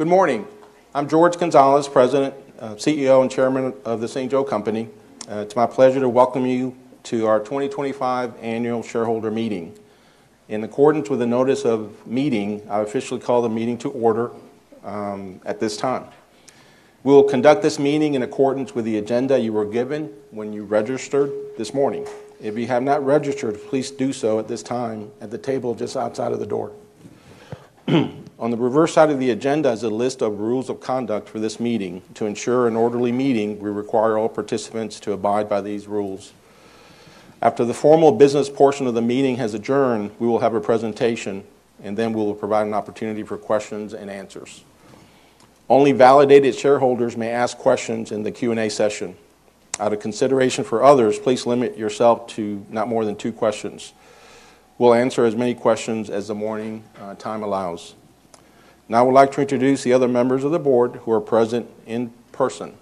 Good morning. I'm Jorge Gonzalez, President, CEO, and Chairman of the Board of The St. Joe Company. It's my pleasure to welcome you to our 2025 Annual Shareholder Meeting. In accordance with the notice of meeting, I officially call the meeting to order at this time. We will conduct this meeting in accordance with the agenda you were given when you registered this morning. If you have not registered, please do so at this time at the table just outside of the door. On the reverse side of the agenda is a list of rules of conduct for this meeting. To ensure an orderly meeting, we require all participants to abide by these rules. After the formal business portion of the meeting has adjourned, we will have a presentation, and then we will provide an opportunity for questions and answers. Only validated shareholders may ask questions in the Q&A session. Out of consideration for others, please limit yourself to not more than two questions. We'll answer as many questions as the morning time allows. Now, I would like to introduce the other members of the board who are present in person.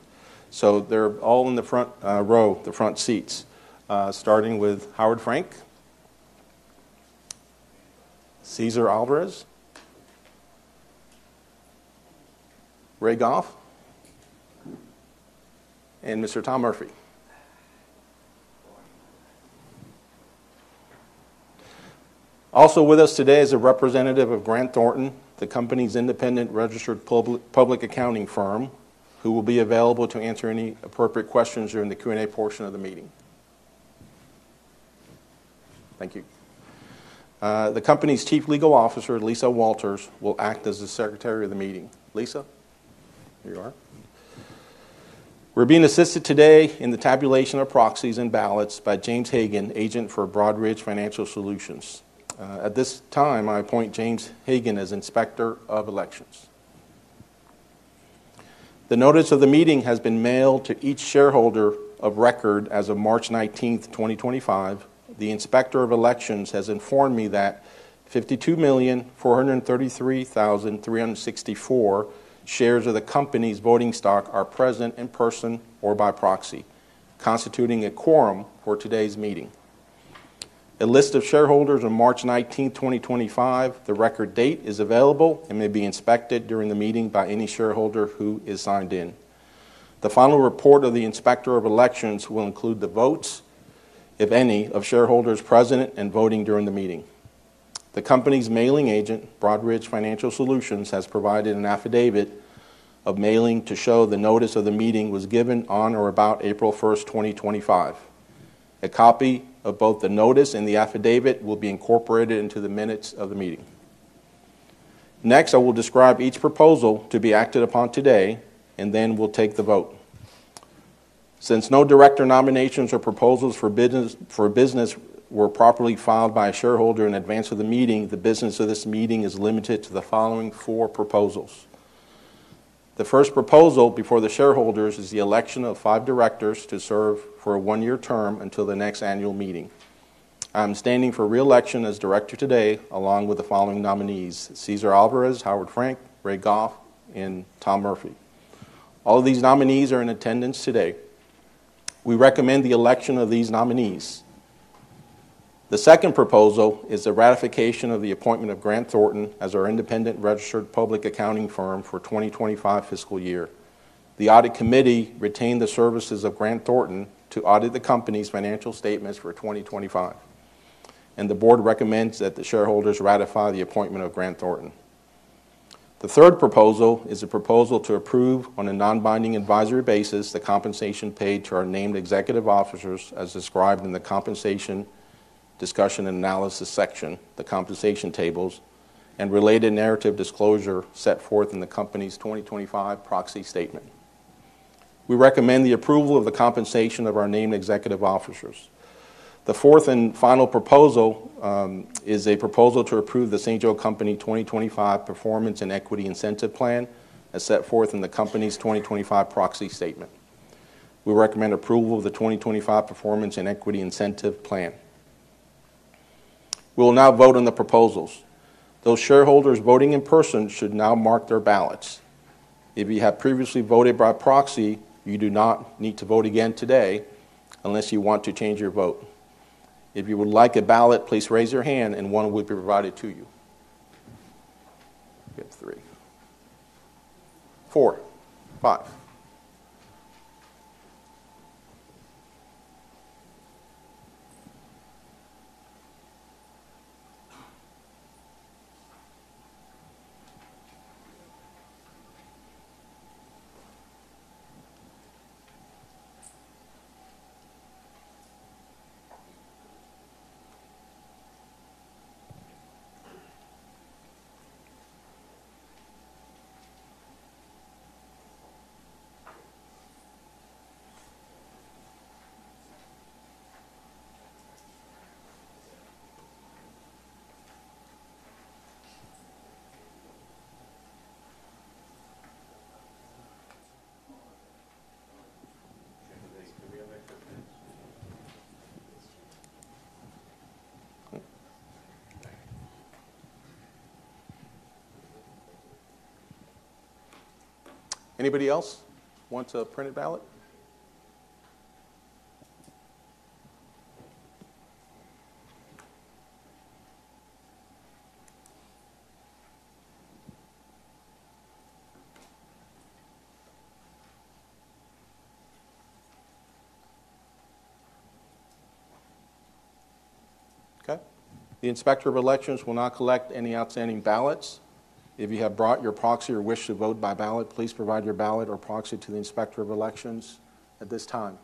So they're all in the front row, the front seats, starting with Howard Frank, Cesar Alvarez, Rhea Goff, and Mr. Tom Murphy. Also with us today is a representative of Grant Thornton, the company's independent registered public accounting firm, who will be available to answer any appropriate questions during the Q&A portion of the meeting. Thank you. The company's Chief Legal Officer, Lisa Walters, will act as the Secretary of the meeting. Lisa, here you are. We're being assisted today in the tabulation of proxies and ballots by James Hagan, Agent for Broadridge Financial Solutions. At this time, I appoint James Hagan as Inspector of Elections. The notice of the meeting has been mailed to each shareholder of record as of March 19th, 2025. The Inspector of Elections has informed me that 52,433,364 shares of the company's voting stock are present in person or by proxy, constituting a quorum for today's meeting. A list of shareholders on March 19th, 2025, the record date, is available and may be inspected during the meeting by any shareholder who is signed in. The final report of the Inspector of Elections will include the votes, if any, of shareholders present and voting during the meeting. The company's mailing agent, Broadridge Financial Solutions, has provided an affidavit of mailing to show the notice of the meeting was given on or about April 1st, 2025. A copy of both the notice and the affidavit will be incorporated into the minutes of the meeting. Next, I will describe each proposal to be acted upon today, and then we'll take the vote. Since no director nominations or proposals for business were properly filed by a shareholder in advance of the meeting, the business of this meeting is limited to the following four proposals. The first proposal before the shareholders is the election of five directors to serve for a one-year term until the next annual meeting. I'm standing for reelection as director today along with the following nominees: Cesar Alvarez, Howard Frank, Rhea Goff, and Tom Murphy. All of these nominees are in attendance today. We recommend the election of these nominees. The second proposal is the ratification of the appointment of Grant Thornton as our independent registered public accounting firm for the 2025 fiscal year. The audit committee retained the services of Grant Thornton to audit the company's financial statements for 2025, and the board recommends that the shareholders ratify the appointment of Grant Thornton. The third proposal is a proposal to approve, on a non-binding advisory basis, the compensation paid to our named executive officers as described in the compensation discussion and analysis section, the compensation tables, and related narrative disclosure set forth in the company's 2025 proxy statement. We recommend the approval of the compensation of our named executive officers. The fourth and final proposal is a proposal to approve The St. Joe Company 2025 Performance and Equity Incentive Plan as set forth in the company's 2025 proxy statement. We recommend approval of the 2025 Performance and Equity Incentive Plan. We will now vote on the proposals. Those shareholders voting in person should now mark their ballots. If you have previously voted by proxy, you do not need to vote again today unless you want to change your vote. If you would like a ballot, please raise your hand, and one will be provided to you. We have three, four, five. Anybody else want to print a ballot? Okay. The Inspector of Elections will now collect any outstanding ballots. If you have brought your proxy or wish to vote by ballot, please provide your ballot or proxy to the Inspector of Elections at this time.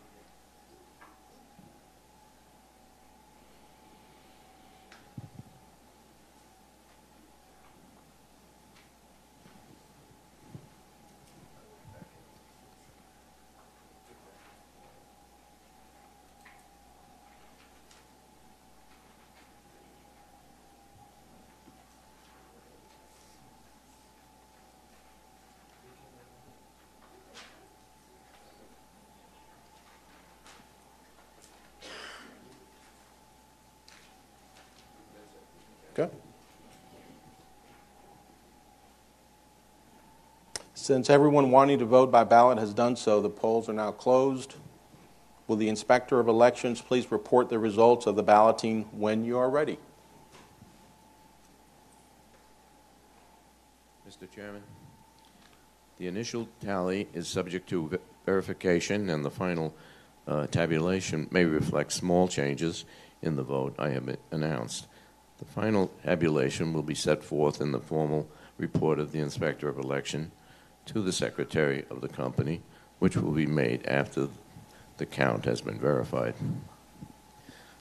Okay. Since everyone wanting to vote by ballot has done so, the polls are now closed. Will the Inspector of Elections please report the results of the balloting when you are ready? Mr. Chairman, the initial tally is subject to verification, and the final tabulation may reflect small changes in the vote I have announced. The final tabulation will be set forth in the formal report of the Inspector of Election to the Secretary of the Company, which will be made after the count has been verified.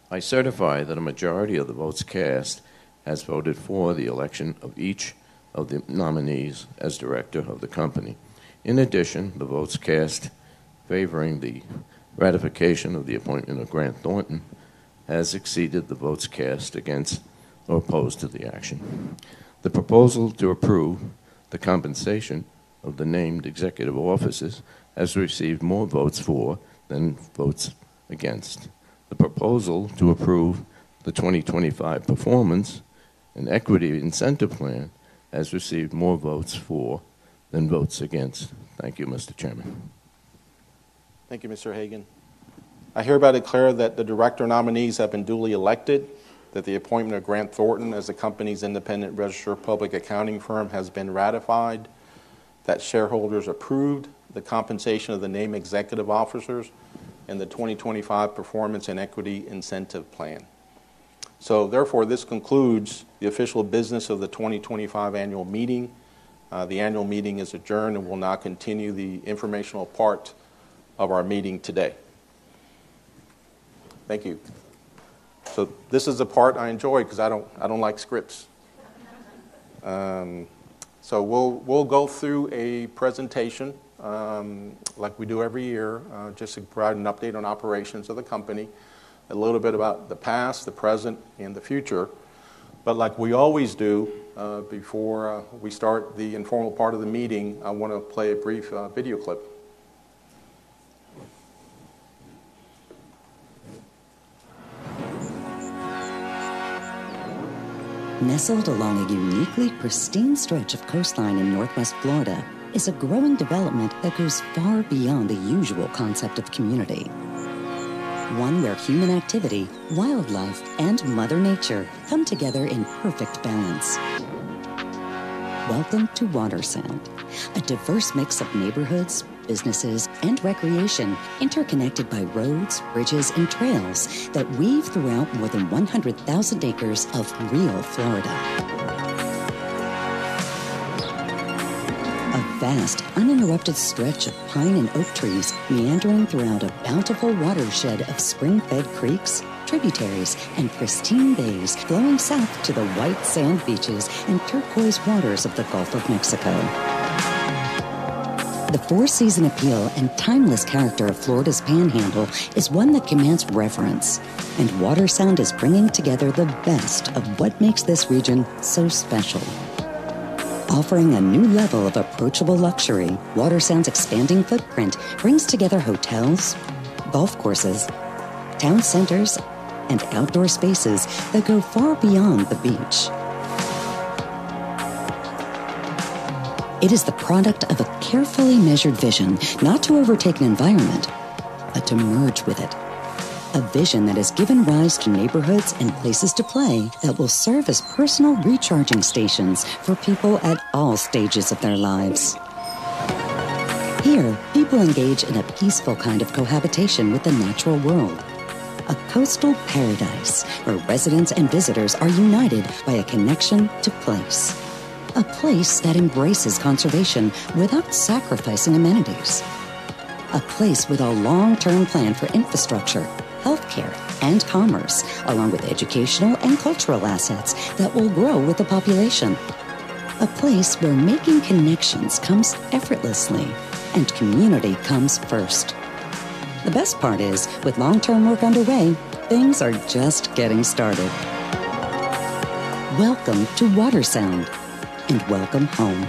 I certify that a majority of the votes cast has voted for the election of each of the nominees as Director of the Company. In addition, the votes cast favoring the ratification of the appointment of Grant Thornton has exceeded the votes cast against or opposed to the action. The proposal to approve the compensation of the named executive officers has received more votes for than votes against. The proposal to approve the 2025 Performance and Equity Incentive Plan has received more votes for than votes against. Thank you, Mr. Chairman. Thank you, Mr. Hagan. I hereby declare that the director nominees have been duly elected, that the appointment of Grant Thornton as the company's independent registered public accounting firm has been ratified, that shareholders approved the compensation of the named executive officers and the 2025 Performance and Equity Incentive Plan. Therefore, this concludes the official business of the 2025 Annual Meeting. The Annual Meeting is adjourned and we will now continue the informational part of our meeting today. Thank you. This is the part I enjoy because I do not like scripts. We will go through a presentation like we do every year, just to provide an update on operations of the company, a little bit about the past, the present, and the future. Like we always do, before we start the informal part of the meeting, I want to play a brief video clip. Nestled along a uniquely pristine stretch of coastline in Northwest Florida is a growing development that goes far beyond the usual concept of community. One where human activity, wildlife, and Mother Nature come together in perfect balance. Welcome to Watersound, a diverse mix of neighborhoods, businesses, and recreation interconnected by roads, bridges, and trails that weave throughout more than 100,000 acres of real Florida. A vast, uninterrupted stretch of pine and oak trees meandering throughout a bountiful watershed of spring-fed creeks, tributaries, and pristine bays flowing south to the white sand beaches and turquoise waters of the Gulf of Mexico. The four-season appeal and timeless character of Florida's Panhandle is one that commands reverence, and Watersound is bringing together the best of what makes this region so special. Offering a new level of approachable luxury, Watersound's expanding footprint brings together hotels, golf courses, town centers, and outdoor spaces that go far beyond the beach. It is the product of a carefully measured vision not to overtake an environment, but to merge with it. A vision that has given rise to neighborhoods and places to play that will serve as personal recharging stations for people at all stages of their lives. Here, people engage in a peaceful kind of cohabitation with the natural world, a coastal paradise where residents and visitors are united by a connection to place. A place that embraces conservation without sacrificing amenities. A place with a long-term plan for infrastructure, healthcare, and commerce, along with educational and cultural assets that will grow with the population. A place where making connections comes effortlessly and community comes first. The best part is, with long-term work underway, things are just getting started. Welcome to Watersound, and welcome home.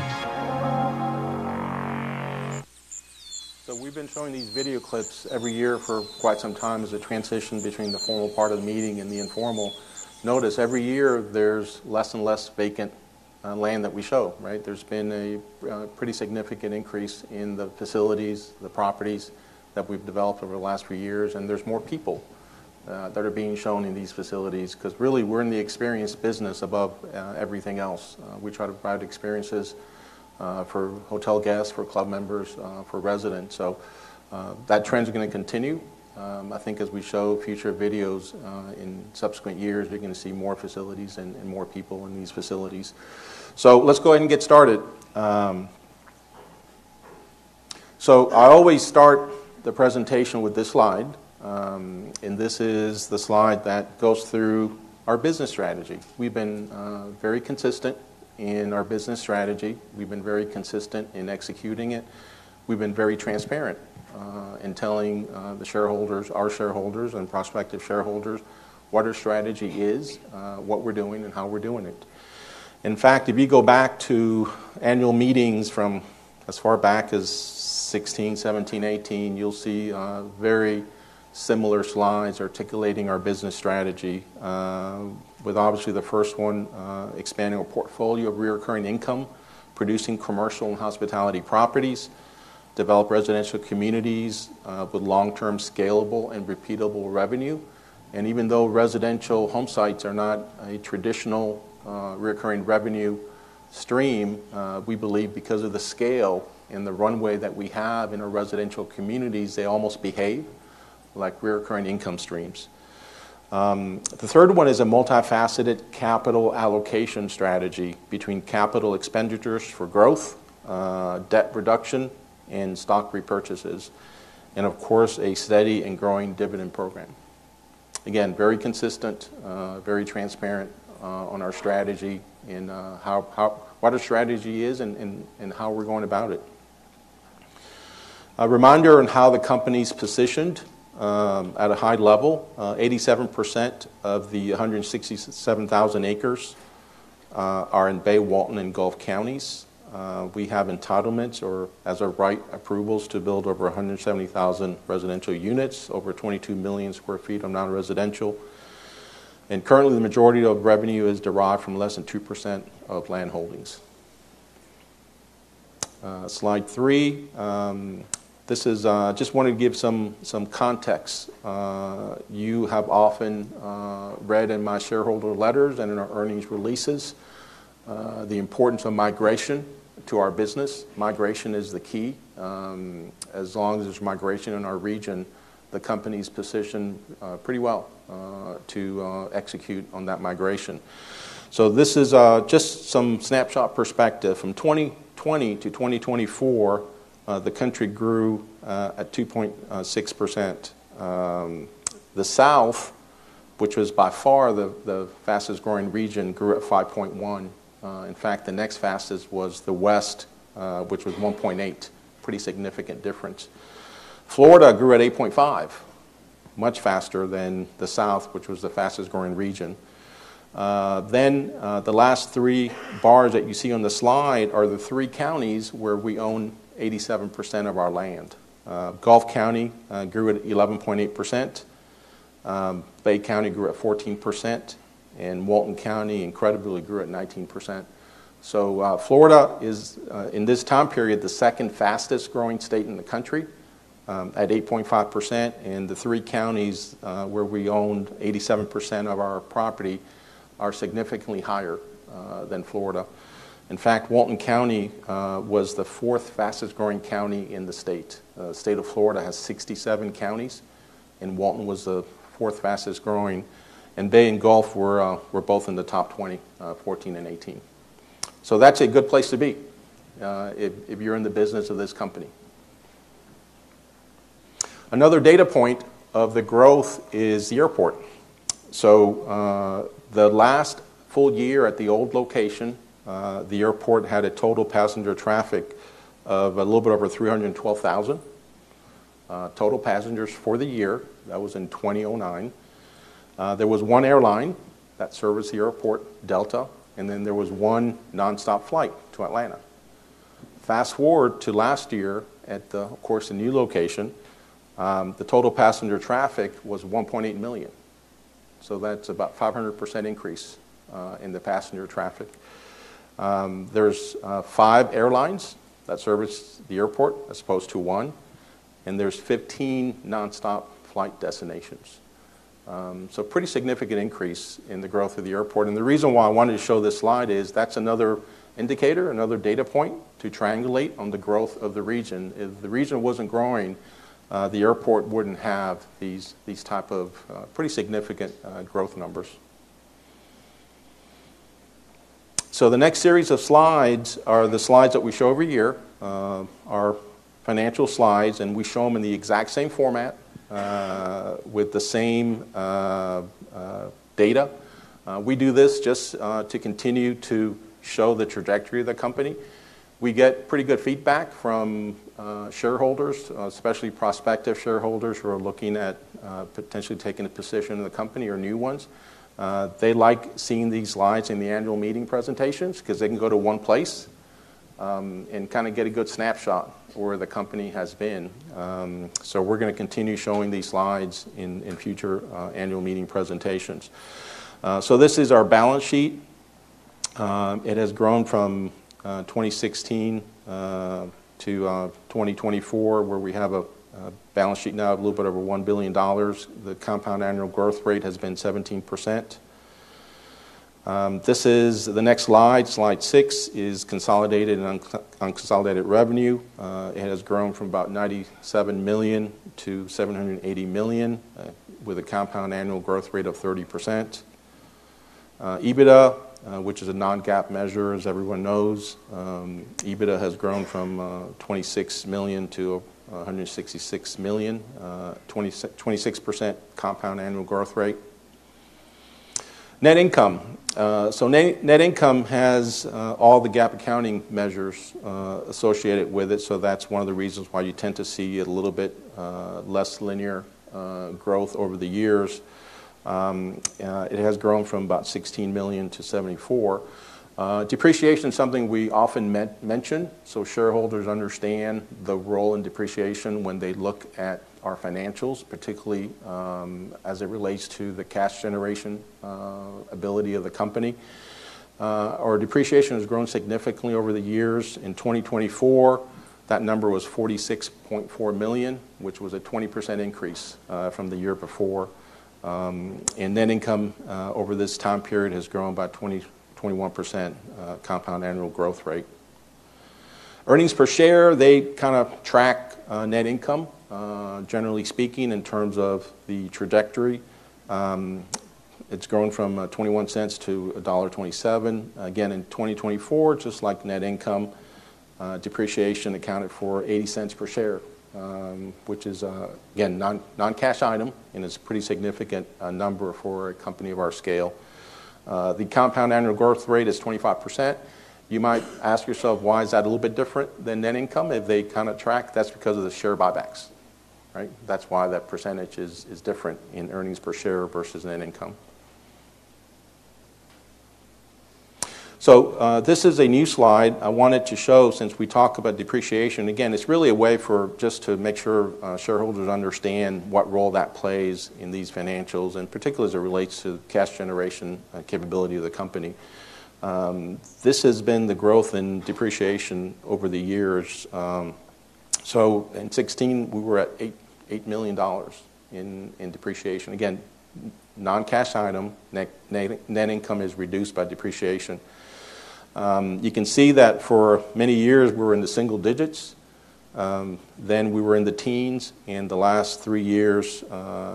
We have been showing these video clips every year for quite some time as a transition between the formal part of the meeting and the informal notice. Every year, there is less and less vacant land that we show, right? There has been a pretty significant increase in the facilities, the properties that we have developed over the last few years, and there are more people that are being shown in these facilities because really we are in the experience business above everything else. We try to provide experiences for hotel guests, for club members, for residents. That trend is going to continue. I think as we show future videos in subsequent years, we are going to see more facilities and more people in these facilities. Let us go ahead and get started. I always start the presentation with this slide, and this is the slide that goes through our business strategy. We've been very consistent in our business strategy. We've been very consistent in executing it. We've been very transparent in telling the shareholders, our shareholders and prospective shareholders, what our strategy is, what we're doing, and how we're doing it. In fact, if you go back to annual meetings from as far back as 2016, 2017, 2018, you'll see very similar slides articulating our business strategy, with obviously the first one expanding our portfolio of recurring income, producing commercial and hospitality properties, developing residential communities with long-term scalable and repeatable revenue. Even though residential homesites are not a traditional recurring revenue stream, we believe because of the scale and the runway that we have in our residential communities, they almost behave like recurring income streams. The third one is a multifaceted capital allocation strategy between capital expenditures for growth, debt reduction, and stock repurchases, and of course, a steady and growing dividend program. Again, very consistent, very transparent on our strategy and what our strategy is and how we're going about it. A reminder on how the company is positioned at a high level: 87% of the 167,000 acres are in Bay, Walton, and Gulf counties. We have entitlements or, as our right, approvals to build over 170,000 residential units, over 22 million sq ft of non-residential. Currently, the majority of revenue is derived from less than 2% of land holdings. Slide three. This is just wanting to give some context. You have often read in my shareholder letters and in our earnings releases the importance of migration to our business. Migration is the key. As long as there's migration in our region, the company's positioned pretty well to execute on that migration. This is just some snapshot perspective. From 2020 to 2024, the country grew at 2.6%. The South, which was by far the fastest growing region, grew at 5.1%. In fact, the next fastest was the West, which was 1.8%. Pretty significant difference. Florida grew at 8.5%, much faster than the South, which was the fastest growing region. The last three bars that you see on the slide are the three counties where we own 87% of our land. Gulf County grew at 11.8%. Bay County grew at 14%. Walton County incredibly grew at 19%. Florida is, in this time period, the second fastest growing state in the country at 8.5%. The three counties where we owned 87% of our property are significantly higher than Florida. In fact, Walton County was the fourth fastest growing county in the state. The state of Florida has 67 counties, and Walton was the fourth fastest growing. Bay and Gulf were both in the top 20, 14 and 18. That's a good place to be if you're in the business of this company. Another data point of the growth is the airport. The last full year at the old location, the airport had a total passenger traffic of a little bit over 312,000 total passengers for the year. That was in 2009. There was one airline that serviced the airport, Delta, and there was one nonstop flight to Atlanta. Fast forward to last year at, of course, a new location, the total passenger traffic was 1.8 million. That's about a 500% increase in the passenger traffic. are five airlines that service the airport as opposed to one, and there are 15 nonstop flight destinations. Pretty significant increase in the growth of the airport. The reason why I wanted to show this slide is that's another indicator, another data point to triangulate on the growth of the region. If the region was not growing, the airport would not have these types of pretty significant growth numbers. The next series of slides are the slides that we show every year, our financial slides, and we show them in the exact same format with the same data. We do this just to continue to show the trajectory of the company. We get pretty good feedback from shareholders, especially prospective shareholders who are looking at potentially taking a position in the company or new ones. They like seeing these slides in the annual meeting presentations because they can go to one place and kind of get a good snapshot where the company has been. We're going to continue showing these slides in future annual meeting presentations. This is our balance sheet. It has grown from 2016 to 2024, where we have a balance sheet now of a little bit over $1 billion. The compound annual growth rate has been 17%. This is the next slide. Slide six is consolidated and unconsolidated revenue. It has grown from about $97 million to $780 million with a compound annual growth rate of 30%. EBITDA, which is a non-GAAP measure, as everyone knows, EBITDA has grown from $26 million to $166 million, 26% compound annual growth rate. Net income. Net income has all the GAAP accounting measures associated with it. That's one of the reasons why you tend to see a little bit less linear growth over the years. It has grown from about $16 million to $74 million. Depreciation is something we often mention. Shareholders understand the role in depreciation when they look at our financials, particularly as it relates to the cash generation ability of the company. Our depreciation has grown significantly over the years. In 2024, that number was $46.4 million, which was a 20% increase from the year before. Net income over this time period has grown by 20% to 21% compound annual growth rate. Earnings per share, they kind of track net income, generally speaking, in terms of the trajectory. It's grown from $0.21 to $1.27. Again, in 2024, just like net income, depreciation accounted for $0.80 per share, which is, again, a non-cash item, and it's a pretty significant number for a company of our scale. The compound annual growth rate is 25%. You might ask yourself, why is that a little bit different than net income? If they kind of track, that's because of the share buybacks, right? That's why that percentage is different in earnings per share versus net income. This is a new slide I wanted to show since we talk about depreciation. Again, it's really a way for just to make sure shareholders understand what role that plays in these financials, and particularly as it relates to cash generation capability of the company. This has been the growth in depreciation over the years. So in 2016, we were at $8 million in depreciation. Again, non-cash item, net income is reduced by depreciation. You can see that for many years, we were in the single digits. Then we were in the teens, and the last three years,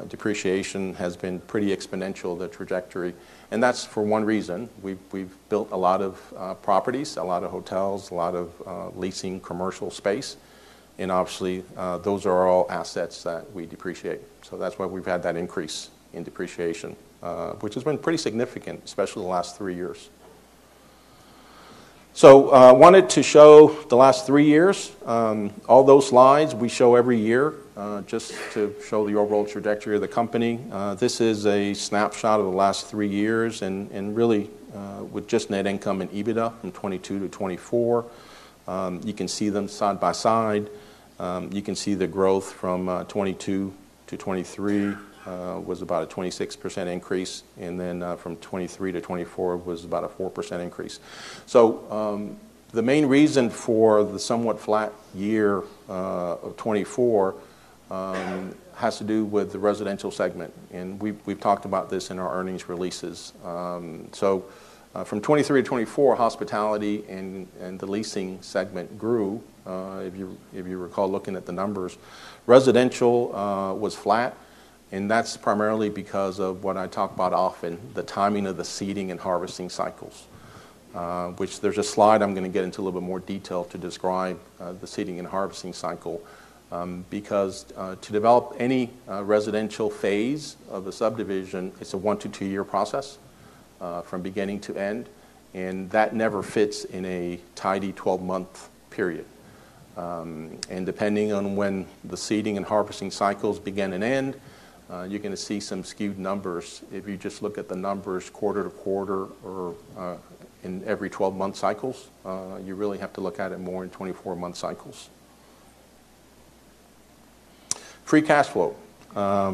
depreciation has been pretty exponential, the trajectory. That is for one reason. We have built a lot of properties, a lot of hotels, a lot of leasing commercial space, and obviously, those are all assets that we depreciate. That is why we have had that increase in depreciation, which has been pretty significant, especially the last three years. I wanted to show the last three years. All those slides we show every year just to show the overall trajectory of the company. This is a snapshot of the last three years, and really, with just net income and EBITDA from 2022 to 2024, you can see them side by side. You can see the growth from 2022 to 2023 was about a 26% increase, and then from 2023 to 2024 was about a 4% increase. The main reason for the somewhat flat year of 2024 has to do with the residential segment. We have talked about this in our earnings releases. From 2023 to 2024, hospitality and the leasing segment grew. If you recall looking at the numbers, residential was flat, and that is primarily because of what I talk about often, the timing of the seeding and harvesting cycles, which there is a slide I am going to get into a little bit more detail to describe the seeding and harvesting cycle because to develop any residential phase of a subdivision, it is a one to two-year process from beginning to end, and that never fits in a tidy 12-month period. Depending on when the seeding and harvesting cycles begin and end, you're going to see some skewed numbers. If you just look at the numbers quarter to quarter or in every 12-month cycles, you really have to look at it more in 24-month cycles. Free cash flow. I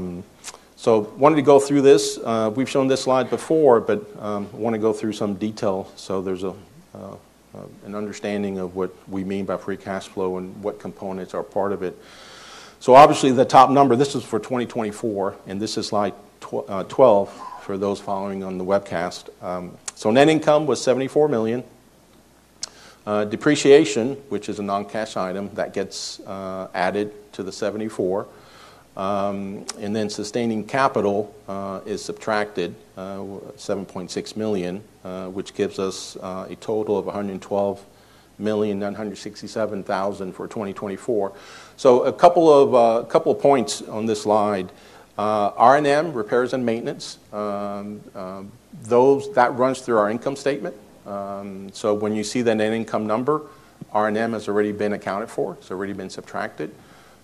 wanted to go through this. We've shown this slide before, but I want to go through some detail so there's an understanding of what we mean by free cash flow and what components are part of it. Obviously, the top number, this is for 2024, and this is slide 12 for those following on the webcast. Net income was $74 million. Depreciation, which is a non-cash item, gets added to the $74 million. Sustaining capital is subtracted, $7.6 million, which gives us a total of $112,967,000 for 2024. A couple of points on this slide. R&M, repairs and maintenance, that runs through our income statement. So when you see the net income number, R&M has already been accounted for. It's already been subtracted.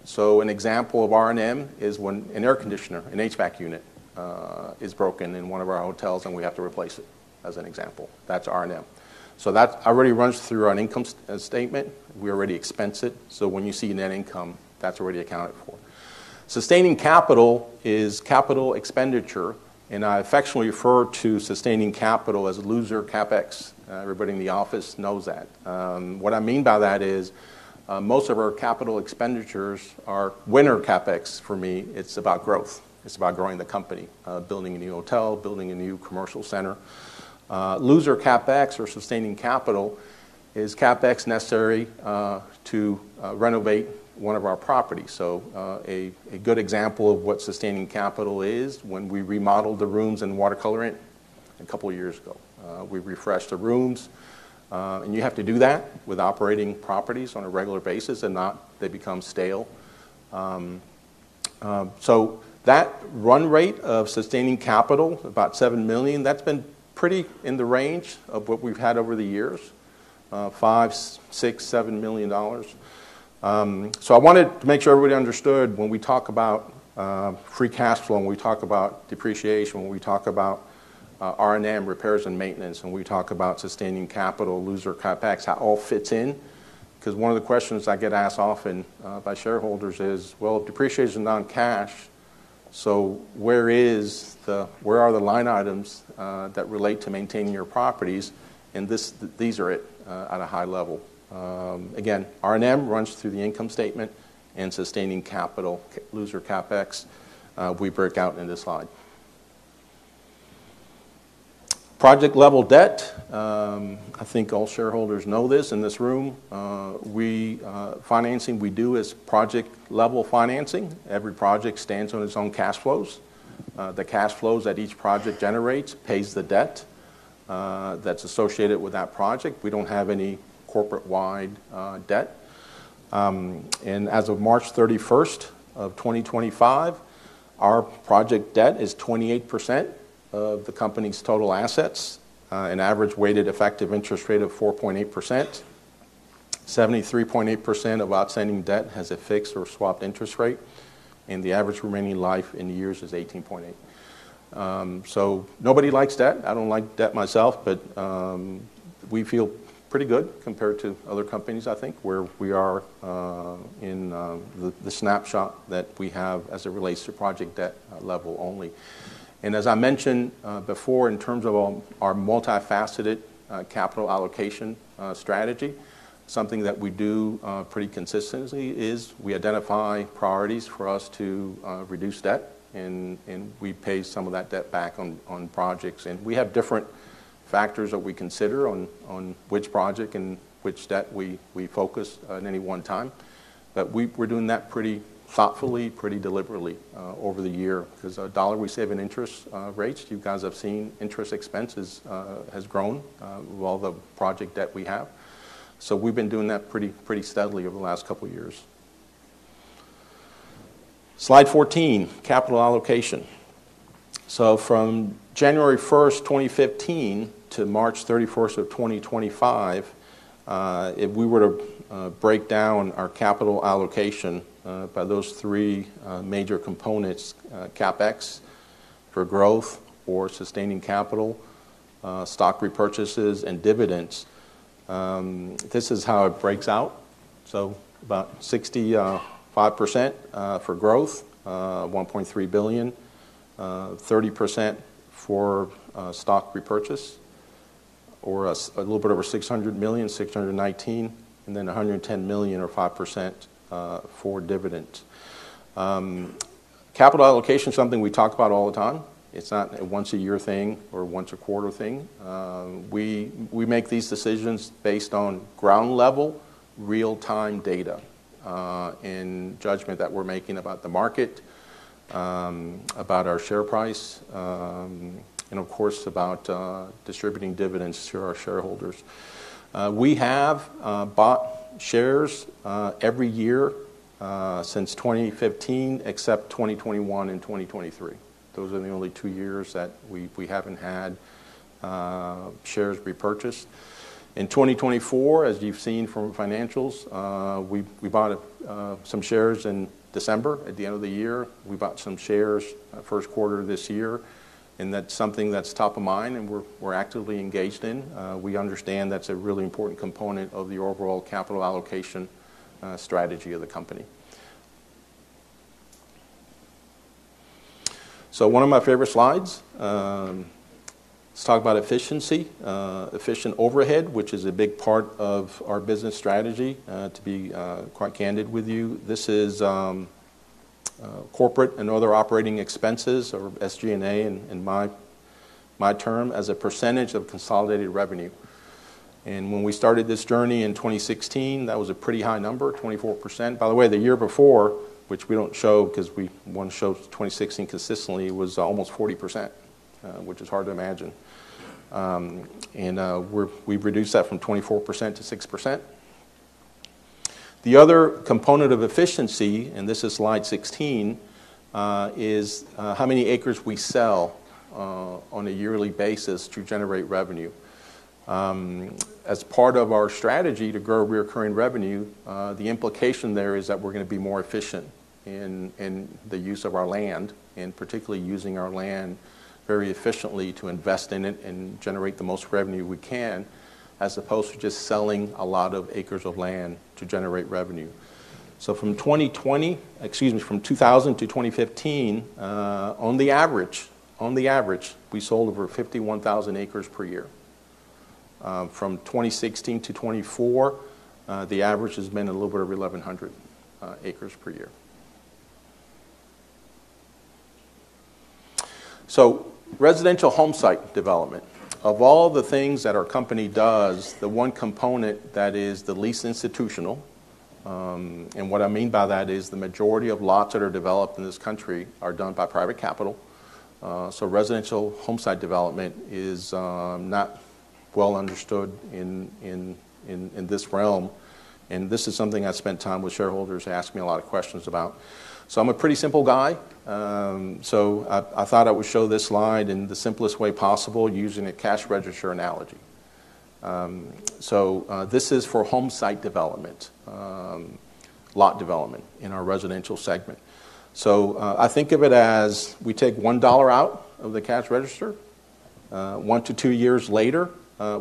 So an example of R&M is when an air conditioner, an HVAC unit, is broken in one of our hotels and we have to replace it, as an example. That's R&M. So that already runs through our income statement. We already expense it. So when you see net income, that's already accounted for. Sustaining capital is capital expenditure, and I affectionately refer to sustaining capital as loser CapEx. Everybody in the office knows that. What I mean by that is most of our capital expenditures are winner CapEx. For me, it's about growth. It's about growing the company, building a new hotel, building a new commercial center. Loser CapEx or sustaining capital is CapEx necessary to renovate one of our properties. A good example of what sustaining capital is when we remodeled the rooms in WaterColor Inn a couple of years ago. We refreshed the rooms, and you have to do that with operating properties on a regular basis or they become stale. That run rate of sustaining capital, about $7 million, that's been pretty in the range of what we've had over the years, $5, $6, $7 million. I wanted to make sure everybody understood when we talk about free cash flow, when we talk about depreciation, when we talk about R&M, repairs and maintenance, and we talk about sustaining capital, loser CapEx, how it all fits in. Because one of the questions I get asked often by shareholders is, well, if depreciation is non-cash, so where are the line items that relate to maintaining your properties? These are it at a high level. Again, R&M runs through the income statement and sustaining capital, loser CapEx. We break out in this slide. Project-level debt. I think all shareholders know this in this room. Financing we do is project-level financing. Every project stands on its own cash flows. The cash flows that each project generates pays the debt that's associated with that project. We do not have any corporate-wide debt. As of March 31st, 2025, our project debt is 28% of the company's total assets, an average weighted effective interest rate of 4.8%. 73.8% of outstanding debt has a fixed or swapped interest rate, and the average remaining life in years is 18.8. Nobody likes debt. I do not like debt myself, but we feel pretty good compared to other companies, I think, where we are in the snapshot that we have as it relates to project debt level only. As I mentioned before, in terms of our multifaceted capital allocation strategy, something that we do pretty consistently is we identify priorities for us to reduce debt, and we pay some of that debt back on projects. We have different factors that we consider on which project and which debt we focus at any one time. We are doing that pretty thoughtfully, pretty deliberately over the year because every dollar we save in interest rates. You guys have seen interest expenses have grown with all the project debt we have. We have been doing that pretty steadily over the last couple of years. Slide 14, capital allocation. From January 1st, 2015 to March 31st, 2025, if we were to break down our capital allocation by those three major components, CapEx for growth or sustaining capital, stock repurchases, and dividends, this is how it breaks out. About 65% for growth, $1.3 billion, 30% for stock repurchase, or a little bit over $600 million, $619 million, and then $110 million or 5% for dividends. Capital allocation is something we talk about all the time. It's not a once-a-year thing or once-a-quarter thing. We make these decisions based on ground-level real-time data and judgment that we're making about the market, about our share price, and of course, about distributing dividends to our shareholders. We have bought shares every year since 2015, except 2021 and 2023. Those are the only two years that we haven't had shares repurchased. In 2024, as you've seen from financials, we bought some shares in December. At the end of the year, we bought some shares first quarter of this year, and that's something that's top of mind and we're actively engaged in. We understand that's a really important component of the overall capital allocation strategy of the company. So one of my favorite slides. Let's talk about efficiency. Efficient overhead, which is a big part of our business strategy, to be quite candid with you. This is corporate and other operating expenses, or SG&A in my term, as a percentage of consolidated revenue. And when we started this journey in 2016, that was a pretty high number, 24%. By the way, the year before, which we don't show because we want to show 2016 consistently, was almost 40%, which is hard to imagine. And we've reduced that from 24% to 6%. The other component of efficiency, and this is slide 16, is how many acres we sell on a yearly basis to generate revenue. As part of our strategy to grow recurring revenue, the implication there is that we're going to be more efficient in the use of our land, and particularly using our land very efficiently to invest in it and generate the most revenue we can, as opposed to just selling a lot of acres of land to generate revenue. From 2000-2015, on the average, we sold over 51,000 acres per year. From 2016-2024, the average has been a little bit over 1,100 acres per year. Residential homesite development. Of all the things that our company does, the one component that is the least institutional, and what I mean by that is the majority of lots that are developed in this country are done by private capital. Residential homesite development is not well understood in this realm, and this is something I spent time with shareholders asking me a lot of questions about. I'm a pretty simple guy, so I thought I would show this slide in the simplest way possible using a cash register analogy. This is for homesite development, lot development in our residential segment. I think of it as we take $1 out of the cash register. One to two years later,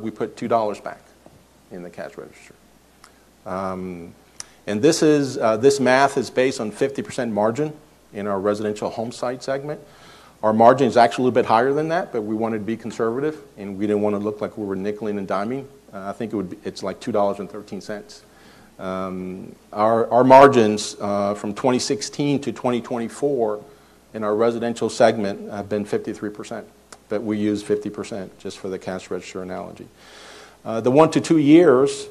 we put $2 back in the cash register. This math is based on 50% margin in our residential homesite segment. Our margin is actually a little bit higher than that, but we wanted to be conservative, and we did not want to look like we were nickeling and diming. I think it is like $2.13. Our margins from 2016-2024 in our residential segment have been 53%, but we use 50% just for the cash register analogy. The one to two years,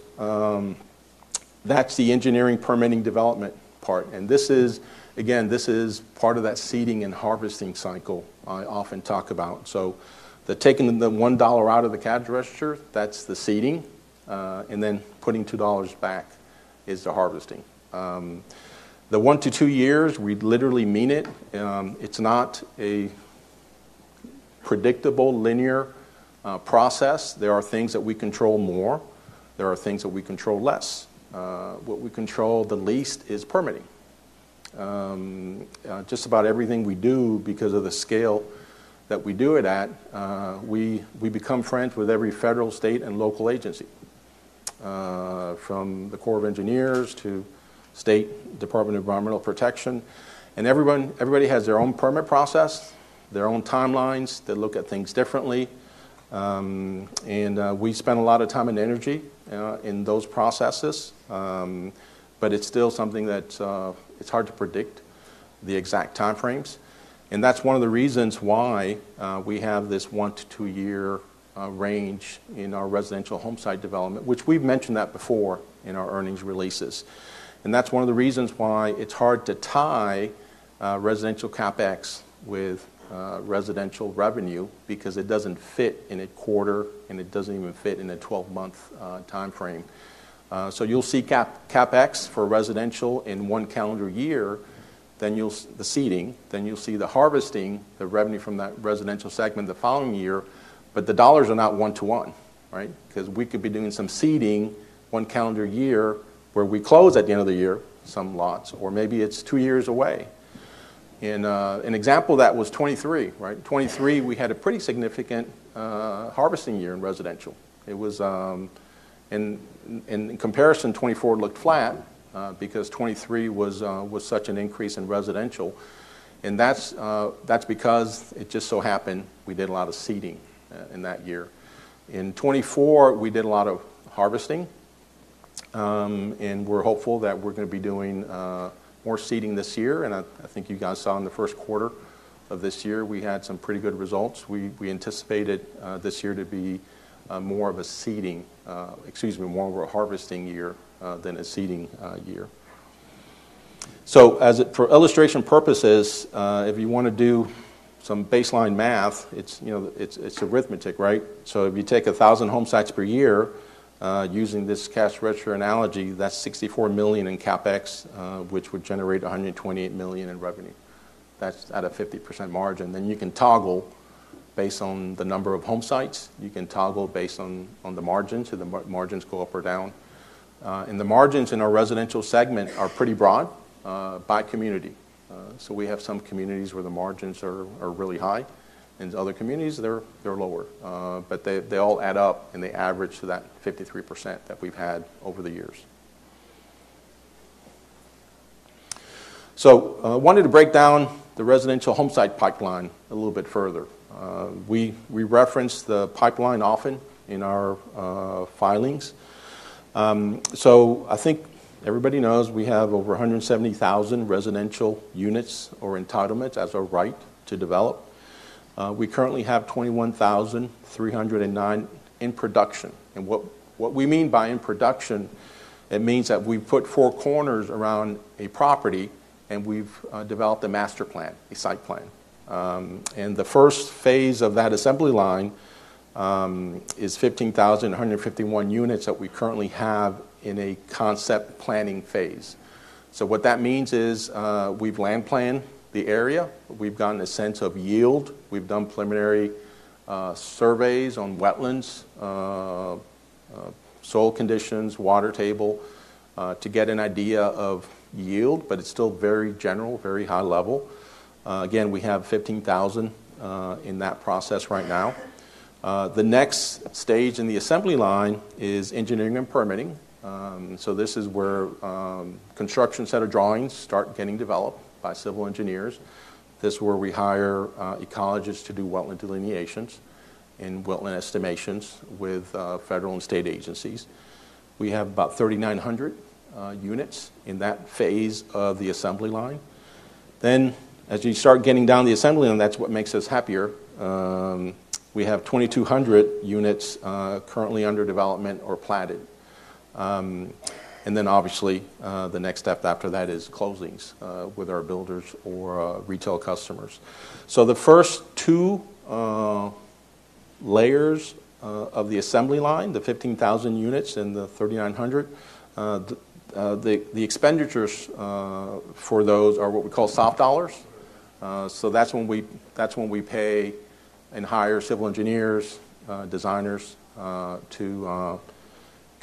that's the engineering permitting development part. This is part of that seeding and harvesting cycle I often talk about. Taking the $1 out of the cash register, that's the seeding, and then putting $2 back is the harvesting. The one to two years, we literally mean it. It's not a predictable linear process. There are things that we control more. There are things that we control less. What we control the least is permitting. Just about everything we do, because of the scale that we do it at, we become friends with every federal, state, and local agency, from the Corps of Engineers to State Department of Environmental Protection. Everybody has their own permit process, their own timelines. They look at things differently. We spend a lot of time and energy in those processes, but it's still something that it's hard to predict the exact time frames. That is one of the reasons why we have this one- to two-year range in our residential homesite development, which we've mentioned before in our earnings releases. That is one of the reasons why it's hard to tie residential CapEx with residential revenue because it doesn't fit in a quarter, and it doesn't even fit in a 12-month time frame. You'll see CapEx for residential in one calendar year, then you'll see the seeding, then you'll see the harvesting, the revenue from that residential segment the following year, but the dollars are not one to one, right? Because we could be doing some seeding one calendar year where we close at the end of the year some lots, or maybe it is two years away. In an example, that was 2023, right? 2023, we had a pretty significant harvesting year in residential. In comparison, 2024 looked flat because 2023 was such an increase in residential. That is because it just so happened we did a lot of seeding in that year. In 2024, we did a lot of harvesting, and we are hopeful that we are going to be doing more seeding this year. I think you guys saw in the first quarter of this year we had some pretty good results. We anticipated this year to be more of a harvesting year than a seeding year. For illustration purposes, if you want to do some baseline math, it is arithmetic, right? If you take 1,000 homesites per year using this cash register analogy, that's $64 million in CapEx, which would generate $128 million in revenue. That's at a 50% margin. You can toggle based on the number of homesites. You can toggle based on the margins if the margins go up or down. The margins in our residential segment are pretty broad by community. We have some communities where the margins are really high, and other communities, they're lower. They all add up, and they average to that 53% that we've had over the years. I wanted to break down the residential homesite pipeline a little bit further. We reference the pipeline often in our filings. I think everybody knows we have over 170,000 residential units or entitlements as a right to develop. We currently have 21,309 in production. What we mean by in production, it means that we put four corners around a property, and we've developed a master plan, a site plan. The first phase of that assembly line is 15,151 units that we currently have in a concept planning phase. What that means is we've land planned the area. We've gotten a sense of yield. We've done preliminary surveys on wetlands, soil conditions, water table to get an idea of yield, but it's still very general, very high level. Again, we have 15,000 in that process right now. The next stage in the assembly line is engineering and permitting. This is where construction center drawings start getting developed by civil engineers. This is where we hire ecologists to do wetland delineations and wetland estimations with federal and state agencies. We have about 3,900 units in that phase of the assembly line. As you start getting down the assembly line, that's what makes us happier. We have 2,200 units currently under development or platted. Obviously, the next step after that is closings with our builders or retail customers. The first two layers of the assembly line, the 15,000 units and the 3,900, the expenditures for those are what we call soft dollars. That's when we pay and hire civil engineers, designers to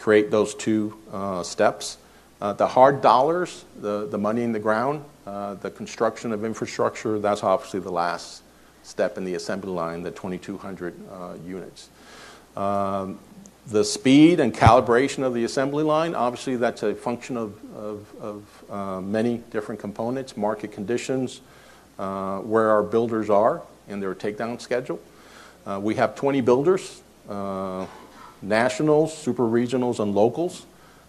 create those two steps. The hard dollars, the money in the ground, the construction of infrastructure, that's obviously the last step in the assembly line, the 2,200 units. The speed and calibration of the assembly line, obviously, that's a function of many different components, market conditions, where our builders are in their takedown schedule. We have 20 builders, nationals, super regionals, and locals.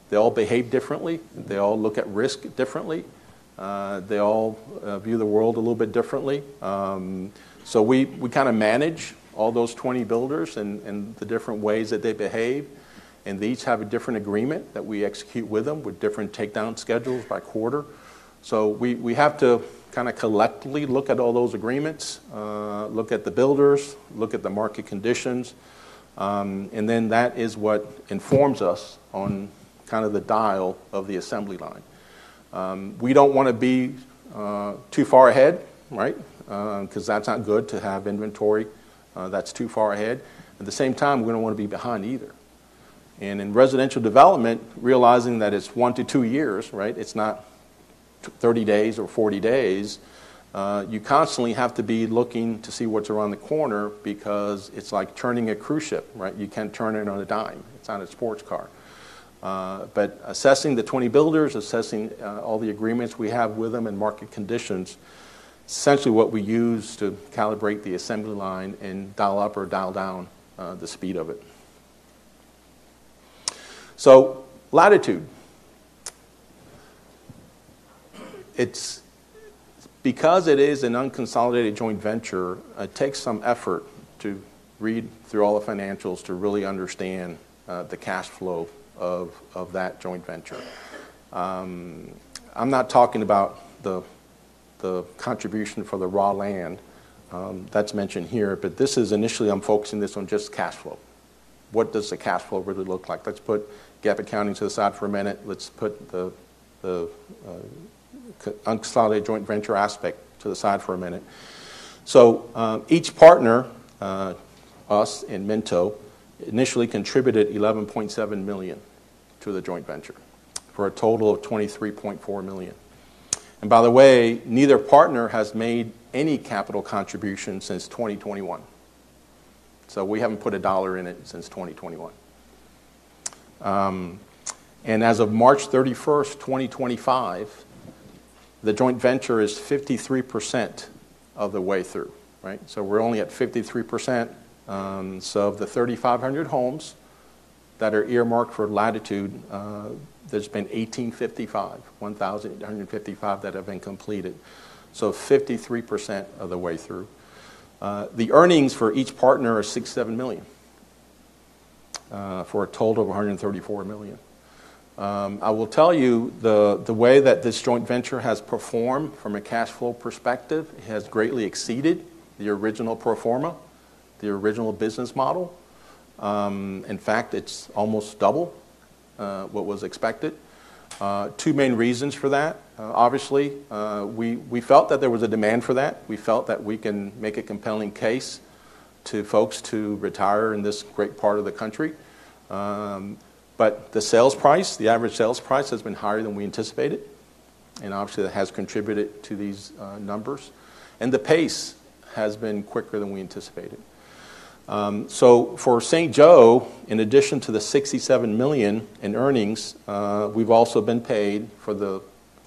They all behave differently. They all look at risk differently. They all view the world a little bit differently. We kind of manage all those 20 builders and the different ways that they behave. They each have a different agreement that we execute with them with different takedown schedules by quarter. We have to kind of collectively look at all those agreements, look at the builders, look at the market conditions. That is what informs us on kind of the dial of the assembly line. We do not want to be too far ahead, right? Because that is not good to have inventory that is too far ahead. At the same time, we do not want to be behind either. In residential development, realizing that it is one to two years, right? It is not 30 days or 40 days. You constantly have to be looking to see what is around the corner because it is like turning a cruise ship, right? You can't turn it on a dime. It's not a sports car. Assessing the 20 builders, assessing all the agreements we have with them and market conditions, essentially what we use to calibrate the assembly line and dial up or dial down the speed of it. Latitude. Because it is an unconsolidated joint venture, it takes some effort to read through all the financials to really understand the cash flow of that joint venture. I'm not talking about the contribution for the raw land that's mentioned here, but this is initially I'm focusing this on just cash flow. What does the cash flow really look like? Let's put GAAP accounting to the side for a minute. Let's put the unconsolidated joint venture aspect to the side for a minute. Each partner, us and Minto, initially contributed $11.7 million to the joint venture for a total of $23.4 million. By the way, neither partner has made any capital contribution since 2021. We have not put a dollar in it since 2021. As of March 31, 2025, the joint venture is 53% of the way through, right? We are only at 53%. Of the 3,500 homes that are earmarked for Latitude, there have been 1,855, 1,855 that have been completed. So 53% of the way through. The earnings for each partner is $67 million for a total of $134 million. I will tell you the way that this joint venture has performed from a cash flow perspective, it has greatly exceeded the original pro forma, the original business model. In fact, it is almost double what was expected. Two main reasons for that. Obviously, we felt that there was a demand for that. We felt that we can make a compelling case to folks to retire in this great part of the country. The sales price, the average sales price has been higher than we anticipated. Obviously, that has contributed to these numbers. The pace has been quicker than we anticipated. For St. Joe, in addition to the $67 million in earnings, we've also been paid for the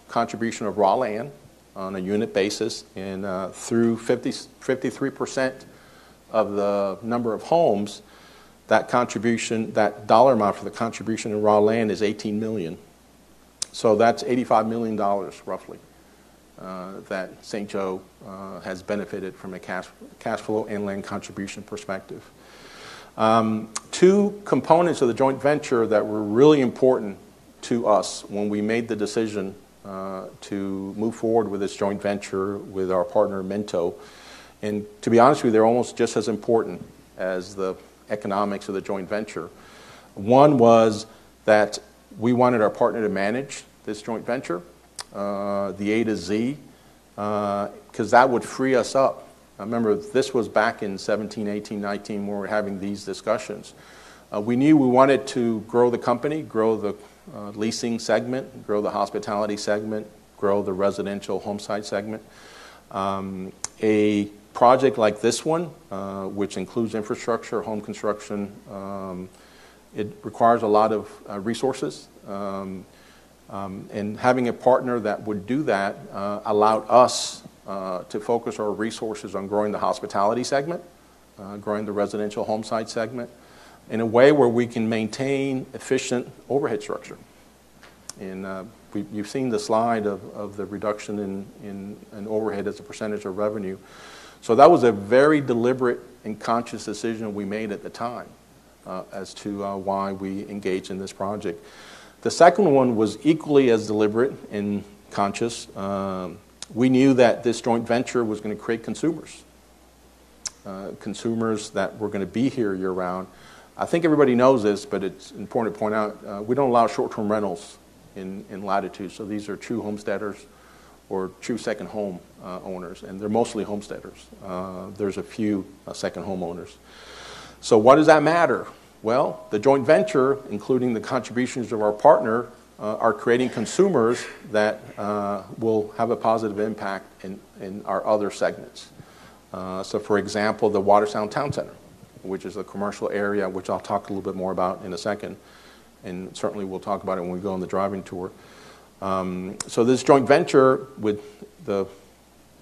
contribution of raw land on a unit basis through 53% of the number of homes. That dollar amount for the contribution of raw land is $18 million. That is $85 million, roughly, that St. Joe has benefited from a cash flow and land contribution perspective. Two components of the joint venture that were really important to us when we made the decision to move forward with this joint venture with our partner, Minto, and to be honest with you, they're almost just as important as the economics of the joint venture. One was that we wanted our partner to manage this joint venture, the A to Z, because that would free us up. I remember this was back in 2017, 2018, 2019 when we were having these discussions. We knew we wanted to grow the company, grow the leasing segment, grow the hospitality segment, grow the residential homesite segment. A project like this one, which includes infrastructure, home construction, it requires a lot of resources. Having a partner that would do that allowed us to focus our resources on growing the hospitality segment, growing the residential homesite segment in a way where we can maintain efficient overhead structure. You have seen the slide of the reduction in overhead as a percentage of revenue. That was a very deliberate and conscious decision we made at the time as to why we engaged in this project. The second one was equally as deliberate and conscious. We knew that this joint venture was going to create consumers, consumers that were going to be here year-round. I think everybody knows this, but it is important to point out we do not allow short-term rentals in Latitude. These are true homesteaders or true second home owners, and they are mostly homesteaders. There are a few second homeowners. Why does that matter? The joint venture, including the contributions of our partner, are creating consumers that will have a positive impact in our other segments. For example, the Watersound Town Center, which is a commercial area, which I'll talk a little bit more about in a second. Certainly, we'll talk about it when we go on the driving tour. This joint venture with the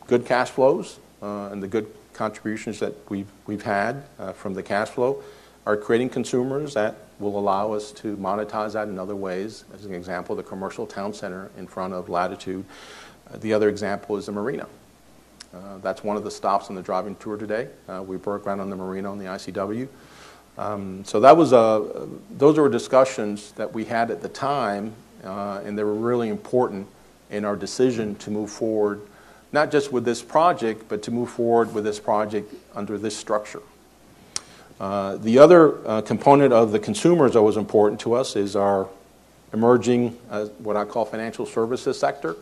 good cash flows and the good contributions that we've had from the cash flow are creating consumers that will allow us to monetize that in other ways. As an example, the commercial town center in front of Latitude. The other example is the Marina. That's one of the stops on the driving tour today. We broke ground on the marina on the ICW. Those were discussions that we had at the time, and they were really important in our decision to move forward, not just with this project, but to move forward with this project under this structure. The other component of the consumers that was important to us is our emerging, what I call, financial services sector,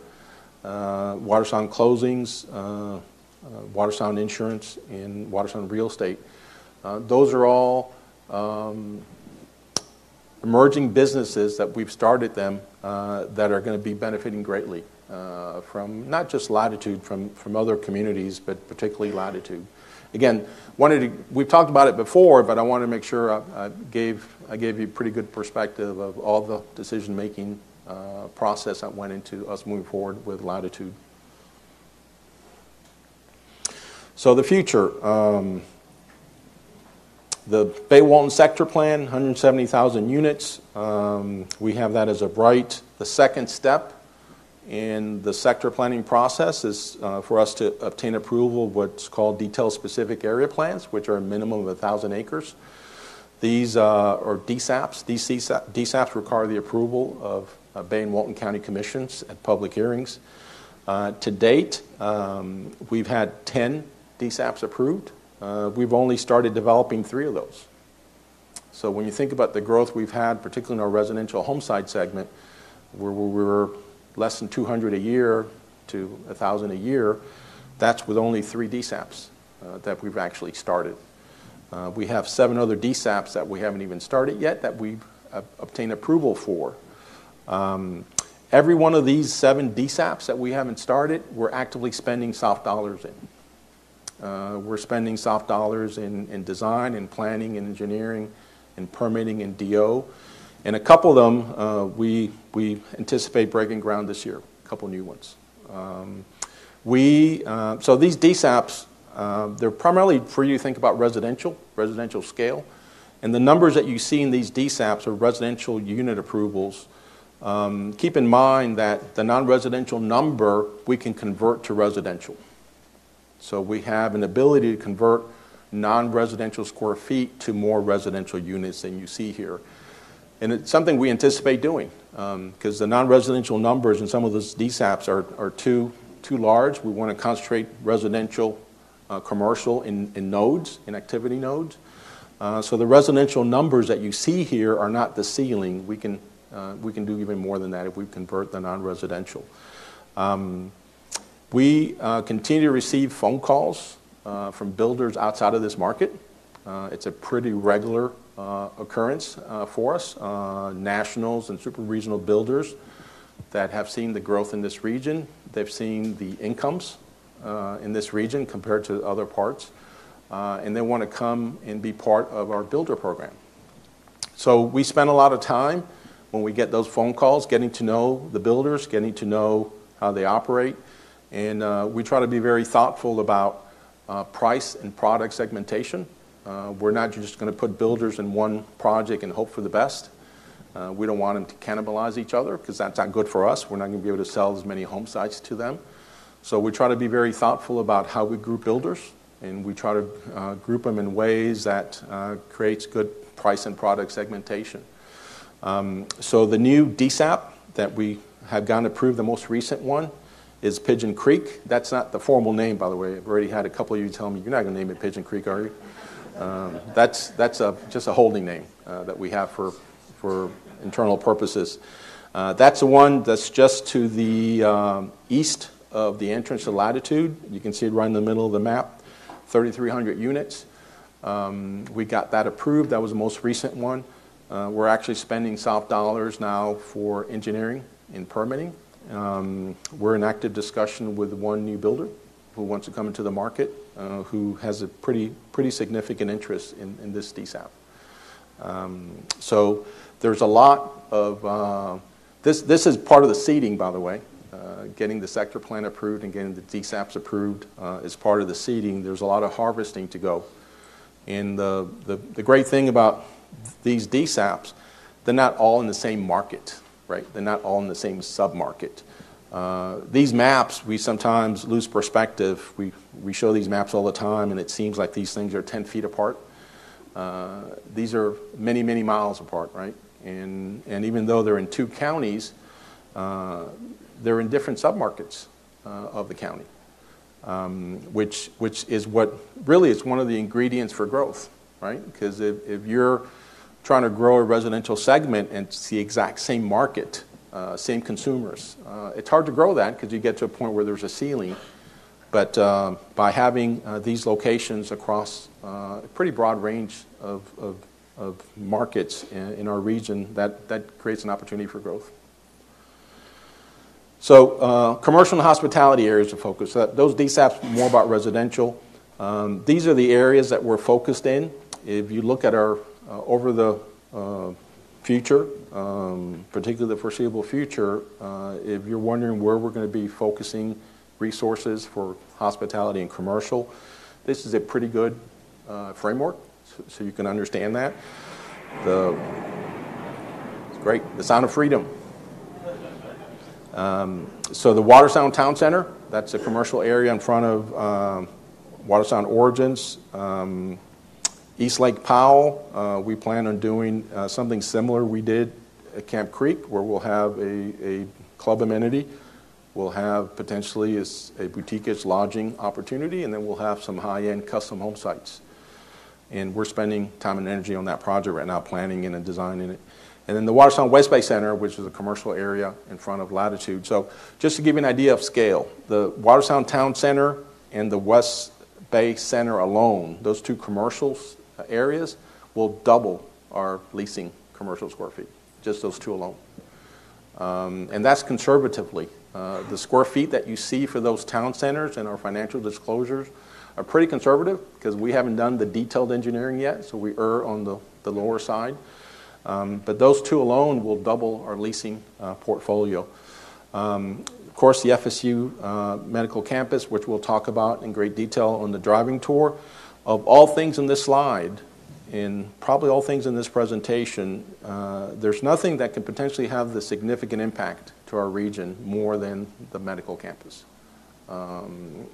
Watersound Closings, Watersound Insurance, and Watersound Real Estate. Those are all emerging businesses that we've started them that are going to be benefiting greatly from not just Latitude, from other communities, but particularly Latitude. Again, we've talked about it before, but I wanted to make sure I gave you a pretty good perspective of all the decision-making process that went into us moving forward with Latitude. The future. The Bay One sector plan, 170,000 units. We have that as of right. The second step in the sector planning process is for us to obtain approval of what is called detailed specific area plans, which are a minimum of 1,000 acres. These are DSAPs. DSAPs require the approval of Bay and Walton County commissions at public hearings. To date, we have had 10 DSAPs approved. We have only started developing three of those. When you think about the growth we have had, particularly in our residential homesite segment, where we were less than 200 a year to 1,000 a year, that is with only three DSAPs that we have actually started. We have seven other DSAPs that we have not even started yet that we have obtained approval for. Every one of these seven DSAPs that we have not started, we are actively spending soft dollars in. We are spending soft dollars in design and planning and engineering and permitting and DO. A couple of them, we anticipate breaking ground this year, a couple of new ones. These DSAPs, they are primarily for you to think about residential, residential scale. The numbers that you see in these DSAPs are residential unit approvals. Keep in mind that the non-residential number, we can convert to residential. We have an ability to convert non-residential square feet to more residential units than you see here. It is something we anticipate doing because the non-residential numbers in some of those DSAPs are too large. We want to concentrate residential, commercial, in nodes, in activity nodes. The residential numbers that you see here are not the ceiling. We can do even more than that if we convert the non-residential. We continue to receive phone calls from builders outside of this market. It's a pretty regular occurrence for us, nationals and super regional builders that have seen the growth in this region. They've seen the incomes in this region compared to other parts. They want to come and be part of our builder program. We spend a lot of time when we get those phone calls getting to know the builders, getting to know how they operate. We try to be very thoughtful about price and product segmentation. We're not just going to put builders in one project and hope for the best. We don't want them to cannibalize each other because that's not good for us. We're not going to be able to sell as many homesites to them. We try to be very thoughtful about how we group builders. We try to group them in ways that create good price and product segmentation. The new DSAP that we have gotten approved, the most recent one, is Pigeon Creek. That is not the formal name, by the way. I have already had a couple of you tell me, "You are not going to name it Pigeon Creek, are you?" That is just a holding name that we have for internal purposes. That is the one that is just to the east of the entrance to Latitude. You can see it right in the middle of the map, 3,300 units. We got that approved. That was the most recent one. We are actually spending soft dollars now for engineering and permitting. We are in active discussion with one new builder who wants to come into the market, who has a pretty significant interest in this DSAP. There is a lot of this that is part of the seeding, by the way. Getting the sector plan approved and getting the DSAPs approved is part of the seeding. There's a lot of harvesting to go. The great thing about these DSAPs, they're not all in the same market, right? They're not all in the same sub-market. These maps, we sometimes lose perspective. We show these maps all the time, and it seems like these things are 10 feet apart. These are many, many miles apart, right? Even though they're in two counties, they're in different sub-markets of the county, which is what really is one of the ingredients for growth, right? Because if you're trying to grow a residential segment and it's the exact same market, same consumers, it's hard to grow that because you get to a point where there's a ceiling. By having these locations across a pretty broad range of markets in our region, that creates an opportunity for growth. Commercial and hospitality areas of focus. Those DSAPs are more about residential. These are the areas that we're focused in. If you look at our over the future, particularly the foreseeable future, if you're wondering where we're going to be focusing resources for hospitality and commercial, this is a pretty good framework. You can understand that. It's great. The Sound of Freedom. The Watersound Town Center, that's a commercial area in front of Watersound Origins. East Lake Powell, we plan on doing something similar. We did at Camp Creek where we'll have a club amenity. We'll have potentially a boutique-ish lodging opportunity, and then we'll have some high-end custom homesites. We're spending time and energy on that project right now, planning and designing it. The Watersound West Bay Center, which is a commercial area in front of Latitude, just to give you an idea of scale, the Watersound Town Center and the West Bay Center alone, those two commercial areas will double our leasing commercial sq ft, just those two alone. That is conservatively. The sq ft that you see for those town centers in our financial disclosures are pretty conservative because we have not done the detailed engineering yet, so we err on the lower side. Those two alone will double our leasing portfolio. Of course, the FSU Medical Campus, which we will talk about in great detail on the driving tour. Of all things in this slide and probably all things in this presentation, there is nothing that can potentially have the significant impact to our region more than the medical campus. I'm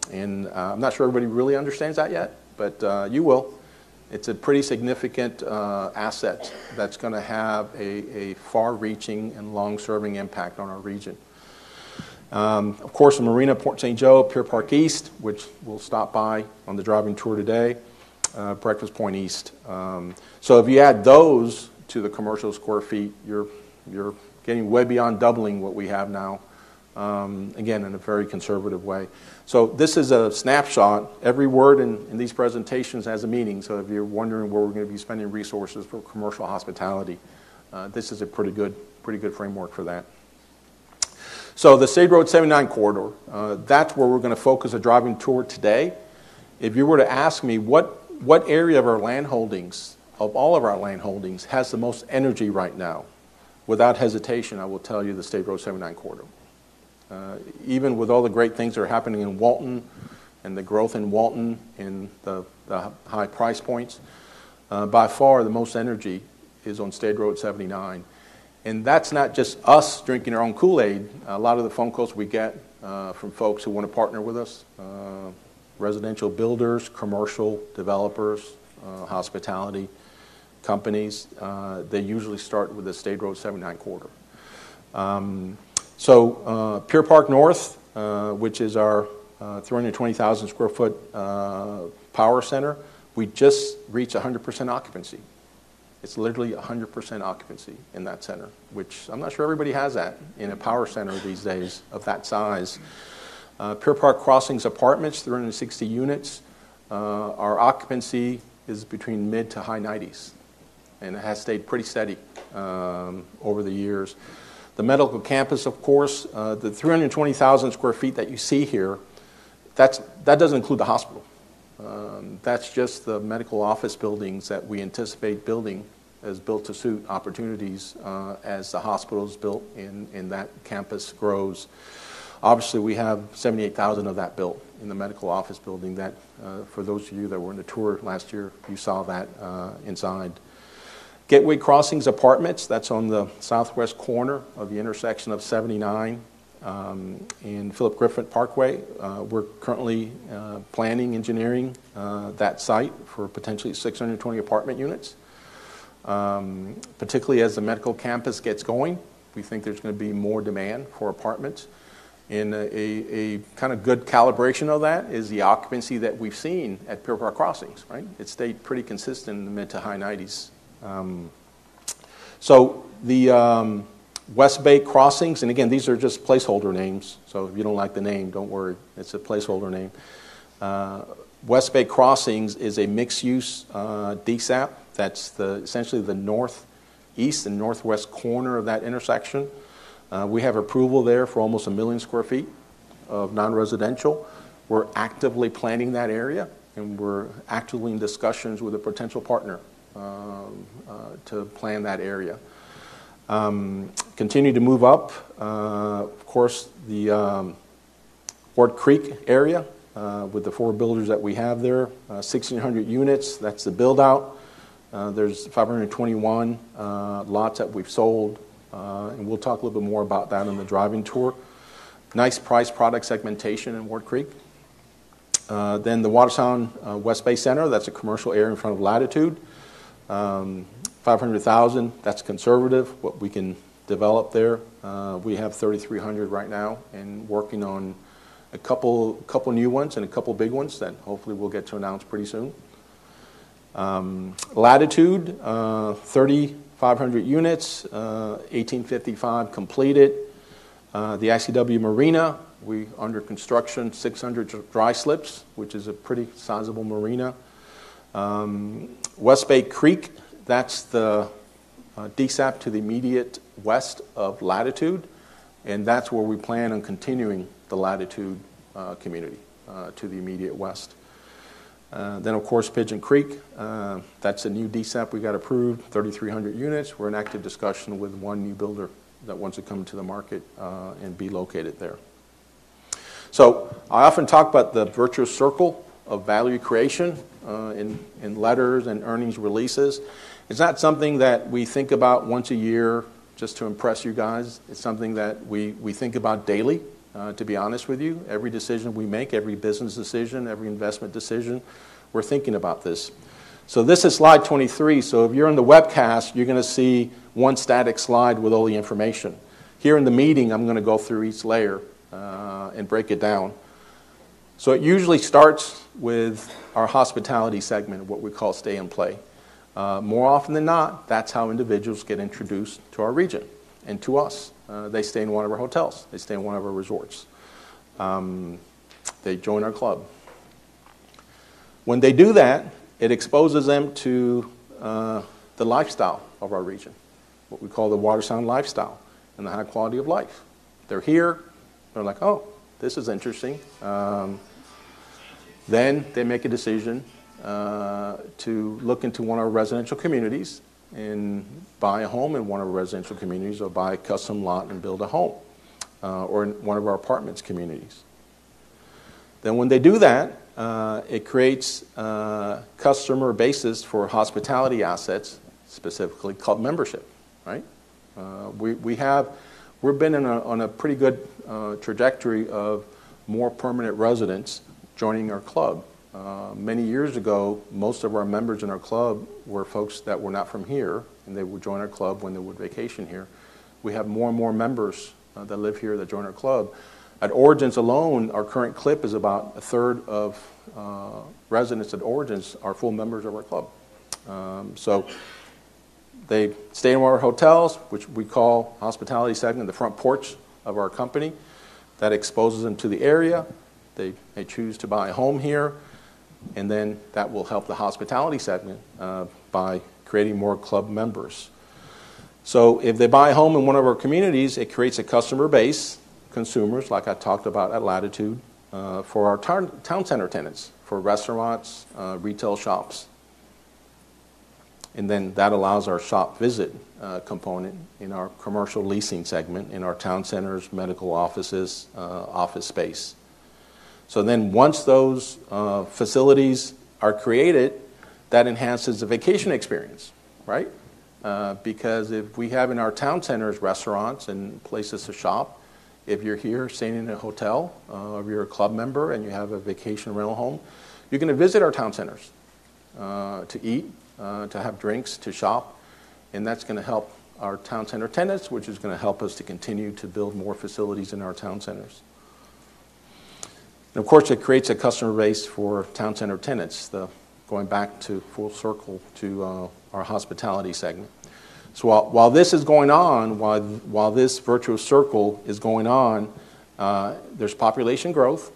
not sure everybody really understands that yet, but you will. It's a pretty significant asset that's going to have a far-reaching and long-serving impact on our region. Of course, the Marina Port St. Joe, Pier Park East, which we'll stop by on the driving tour today, Breakfast Point East. If you add those to the commercial square feet, you're getting way beyond doubling what we have now, again, in a very conservative way. This is a snapshot. Every word in these presentations has a meaning. If you're wondering where we're going to be spending resources for commercial hospitality, this is a pretty good framework for that. The State Road 79 corridor, that's where we're going to focus our driving tour today. If you were to ask me what area of our land holdings, of all of our land holdings, has the most energy right now, without hesitation, I will tell you the State Road 79 corridor. Even with all the great things that are happening in Walton and the growth in Walton and the high price points, by far, the most energy is on State Road 79. That is not just us drinking our own Kool-Aid. A lot of the phone calls we get from folks who want to partner with us, residential builders, commercial developers, hospitality companies, they usually start with the State Road 79 corridor. Pier Park North, which is our 320,000 sq ft power center, we just reached 100% occupancy. It is literally 100% occupancy in that center, which I am not sure everybody has that in a power center these days of that size. Pier Park Crossings Apartments, 360 units, our occupancy is between mid to high 90%. It has stayed pretty steady over the years. The medical campus, of course, the 320,000 sq ft that you see here, that does not include the hospital. That is just the medical office buildings that we anticipate building as build-to-suit opportunities as the hospital is built and that campus grows. Obviously, we have 78,000 of that built in the medical office building that, for those of you that were on the tour last year, you saw that inside. Gateway Crossings Apartments, that is on the southwest corner of the intersection of 79 and Philip Griffith Parkway. We are currently planning engineering that site for potentially 620 apartment units. Particularly as the medical campus gets going, we think there is going to be more demand for apartments. A kind of good calibration of that is the occupancy that we've seen at Pier Park Crossings, right? It stayed pretty consistent in the mid to high 90%. The West Bay Crossings, and again, these are just placeholder names. If you do not like the name, do not worry. It is a placeholder name. West Bay Crossings is a mixed-use DSAP. That is essentially the northeast and northwest corner of that intersection. We have approval there for almost 1 million sq ft of non-residential. We are actively planning that area, and we are actively in discussions with a potential partner to plan that area. Continue to move up. Of course, the Ward Creek area with the four builders that we have there, 1,600 units, that is the build-out. There are 521 lots that we have sold. We will talk a little bit more about that in the driving tour. Nice price product segmentation in Ward Creek. The Watersound West Bay Center, that's a commercial area in front of Latitude. $500,000, that's conservative what we can develop there. We have 3,300 right now and working on a couple of new ones and a couple of big ones that hopefully we'll get to announce pretty soon. Latitude, 3,500 units, 1,855 completed. The ICW Marina, we're under construction, 600 dry slips, which is a pretty sizable marina. West Bay Creek, that's the DSAP to the immediate west of Latitude. That's where we plan on continuing the Latitude community to the immediate west. Of course, Pigeon Creek, that's a new DSAP we got approved, 3,300 units. We're in active discussion with one new builder that wants to come to the market and be located there. I often talk about the virtuous circle of value creation in letters and earnings releases. It's not something that we think about once a year just to impress you guys. It's something that we think about daily, to be honest with you. Every decision we make, every business decision, every investment decision, we're thinking about this. This is slide 23. If you're on the webcast, you're going to see one static slide with all the information. Here in the meeting, I'm going to go through each layer and break it down. It usually starts with our hospitality segment, what we call stay and play. More often than not, that's how individuals get introduced to our region and to us. They stay in one of our hotels. They stay in one of our resorts. They join our club. When they do that, it exposes them to the lifestyle of our region, what we call the Watersound lifestyle and the high quality of life. They're here. They're like, "Oh, this is interesting." Then they make a decision to look into one of our residential communities and buy a home in one of our residential communities or buy a custom lot and build a home or in one of our apartment communities. When they do that, it creates customer bases for hospitality assets, specifically club membership, right? We've been on a pretty good trajectory of more permanent residents joining our club. Many years ago, most of our members in our club were folks that were not from here, and they would join our club when they would vacation here. We have more and more members that live here that join our club. At Origins alone, our current clip is about a third of residents at Origins are full members of our club. They stay in our hotels, which we call hospitality segment, the front porch of our company. That exposes them to the area. They choose to buy a home here. That will help the hospitality segment by creating more club members. If they buy a home in one of our communities, it creates a customer base, consumers, like I talked about at Latitude for our town center tenants, for restaurants, retail shops. That allows our shop visit component in our commercial leasing segment, in our town centers, medical offices, office space. Once those facilities are created, that enhances the vacation experience, right? Because if we have in our town centers restaurants and places to shop, if you're here staying in a hotel or you're a club member and you have a vacation rental home, you're going to visit our town centers to eat, to have drinks, to shop. That is going to help our town center tenants, which is going to help us to continue to build more facilities in our town centers. Of course, it creates a customer base for town center tenants, going back to full circle to our hospitality segment. While this is going on, while this virtuous circle is going on, there's population growth,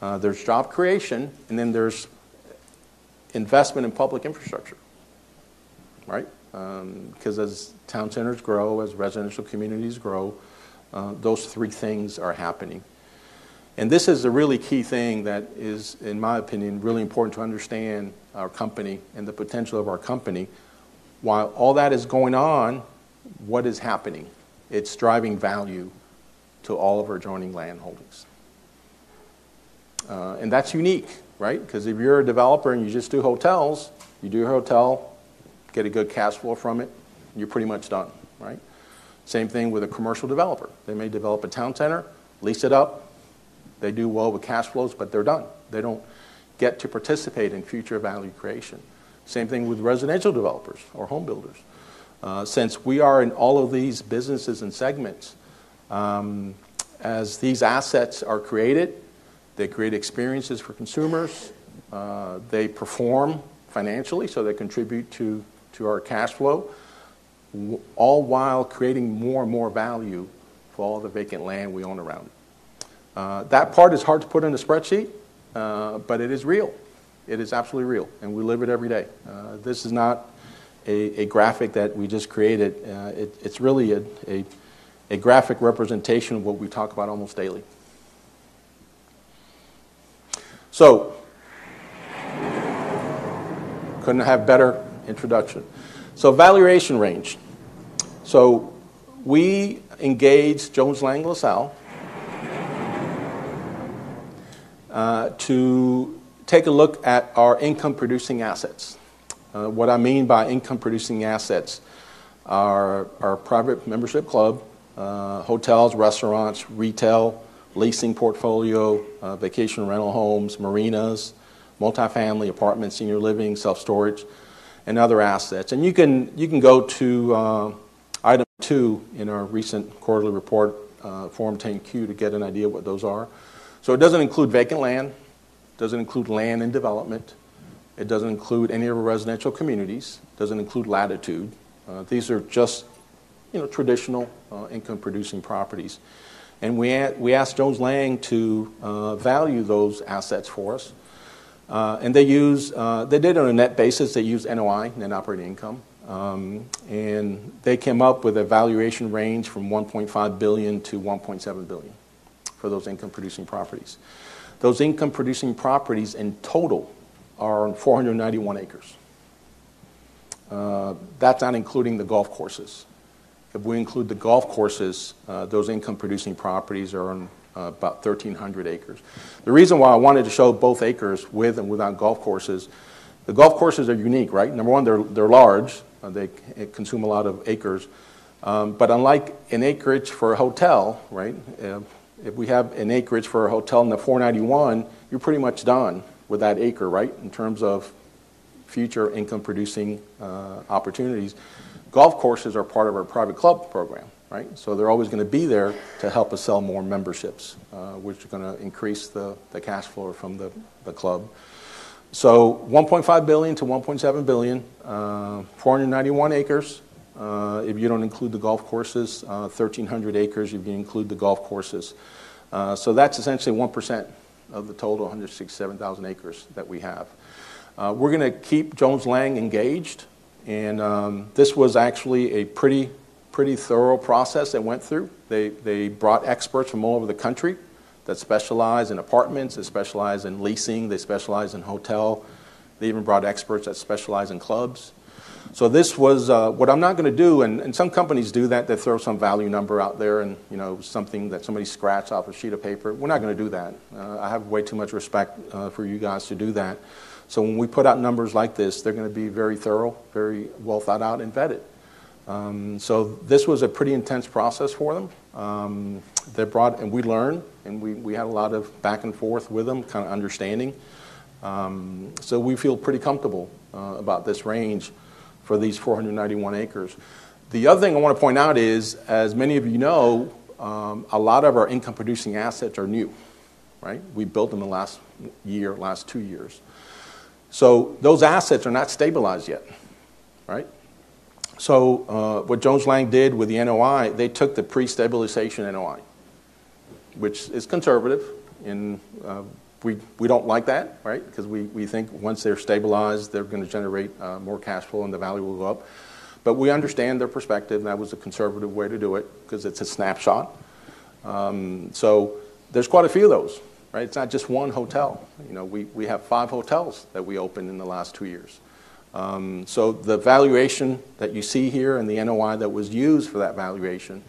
there's job creation, and then there's investment in public infrastructure, right? As town centers grow, as residential communities grow, those three things are happening. This is a really key thing that is, in my opinion, really important to understand our company and the potential of our company. While all that is going on, what is happening? It is driving value to all of our adjoining land holdings. That is unique, right? Because if you are a developer and you just do hotels, you do your hotel, get a good cash flow from it, you are pretty much done, right? Same thing with a commercial developer. They may develop a town center, lease it up. They do well with cash flows, but they are done. They do not get to participate in future value creation. Same thing with residential developers or home builders. Since we are in all of these businesses and segments, as these assets are created, they create experiences for consumers. They perform financially, so they contribute to our cash flow, all while creating more and more value for all the vacant land we own around. That part is hard to put on a spreadsheet, but it is real. It is absolutely real. We live it every day. This is not a graphic that we just created. It is really a graphic representation of what we talk about almost daily. Could not have better introduction. Valuation range. We engaged Jones Lang LaSalle to take a look at our income-producing assets. What I mean by income-producing assets are our private membership club, hotels, restaurants, retail, leasing portfolio, vacation rental homes, marinas, multifamily apartments, senior living, self-storage, and other assets. You can go to item two in our recent quarterly report, Form 10Q, to get an idea of what those are. It does not include vacant land. It does not include land in development. It does not include any of our residential communities. It does not include Latitude. These are just traditional income-producing properties. We asked Jones Lang LaSalle to value those assets for us. They did it on a net basis. They used NOI, net operating income. They came up with a valuation range from $1.5 billion-$1.7 billion for those income-producing properties. Those income-producing properties in total are 491 acres. That is not including the golf courses. If we include the golf courses, those income-producing properties are about 1,300 acres. The reason why I wanted to show both acres with and without golf courses, the golf courses are unique, right? Number one, they are large. They consume a lot of acres. Unlike an acreage for a hotel, right? If we have an acreage for a hotel in the 491, you're pretty much done with that acre, right, in terms of future income-producing opportunities. Golf courses are part of our private club program, right? They're always going to be there to help us sell more memberships, which are going to increase the cash flow from the club. So $1.5 billion-$1.7 billion, 491 acres. If you don't include the golf courses, 1,300 acres. You can include the golf courses. That's essentially 1% of the total 167,000 acres that we have. We're going to keep Jones Lang LaSalle engaged. This was actually a pretty thorough process they went through. They brought experts from all over the country that specialize in apartments. They specialize in leasing. They specialize in hotel. They even brought experts that specialize in clubs. This was what I'm not going to do. Some companies do that. They throw some value number out there and something that somebody scratched off a sheet of paper. We're not going to do that. I have way too much respect for you guys to do that. When we put out numbers like this, they're going to be very thorough, very well thought out, and vetted. This was a pretty intense process for them. We learned, and we had a lot of back and forth with them, kind of understanding. We feel pretty comfortable about this range for these 491 acres. The other thing I want to point out is, as many of you know, a lot of our income-producing assets are new, right? We built them in the last year, last two years. Those assets are not stabilized yet, right? What Jones Lang did with the NOI, they took the pre-stabilization NOI, which is conservative. We do not like that, right? Because we think once they are stabilized, they are going to generate more cash flow and the value will go up. We understand their perspective. That was a conservative way to do it because it is a snapshot. There are quite a few of those, right? It is not just one hotel. We have five hotels that we opened in the last two years. The valuation that you see here and the NOI that was used for that valuation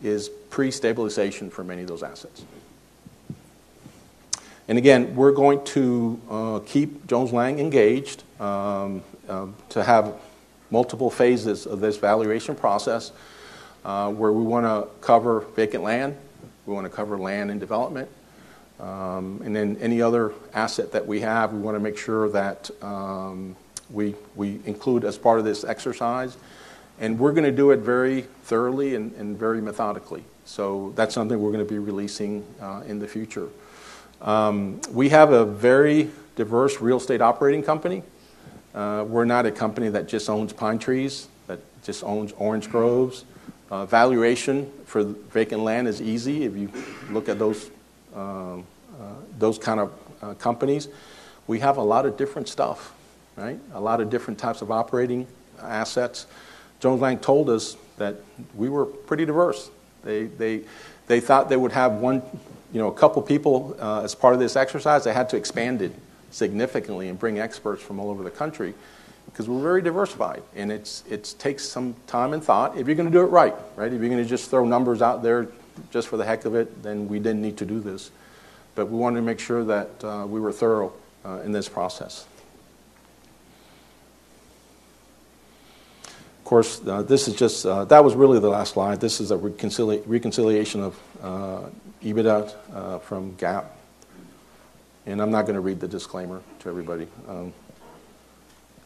is pre-stabilization for many of those assets. We are going to keep Jones Lang engaged to have multiple phases of this valuation process where we want to cover vacant land. We want to cover land in development. Any other asset that we have, we want to make sure that we include as part of this exercise. We're going to do it very thoroughly and very methodically. That's something we're going to be releasing in the future. We have a very diverse real estate operating company. We're not a company that just owns pine trees, that just owns orange groves. Valuation for vacant land is easy if you look at those kind of companies. We have a lot of different stuff, right? A lot of different types of operating assets. Jones Lang LaSalle told us that we were pretty diverse. They thought they would have a couple of people as part of this exercise. They had to expand it significantly and bring experts from all over the country because we're very diversified. It takes some time and thought if you're going to do it right, right? If you're going to just throw numbers out there just for the heck of it, then we did not need to do this. We wanted to make sure that we were thorough in this process. Of course, this is just, that was really the last slide. This is a reconciliation of EBITDA from GAAP. I'm not going to read the disclaimer to everybody. I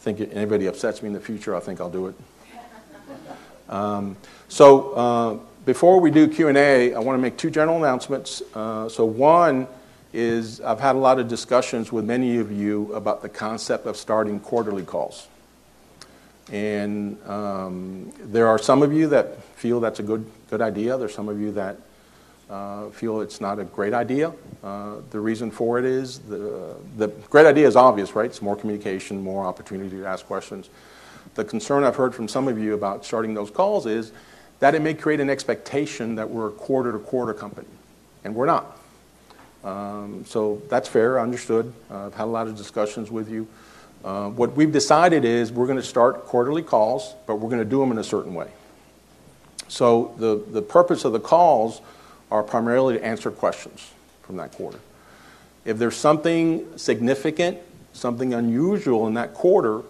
think if anybody upsets me in the future, I think I'll do it. Before we do Q&A, I want to make two general announcements. One is I've had a lot of discussions with many of you about the concept of starting quarterly calls. There are some of you that feel that's a good idea. There are some of you that feel it's not a great idea. The reason for it is the great idea is obvious, right? It's more communication, more opportunity to ask questions. The concern I've heard from some of you about starting those calls is that it may create an expectation that we're a quarter-to-quarter company. We're not. That's fair. Understood. I've had a lot of discussions with you. What we've decided is we're going to start quarterly calls, but we're going to do them in a certain way. The purpose of the calls are primarily to answer questions from that quarter. If there's something significant, something unusual in that quarter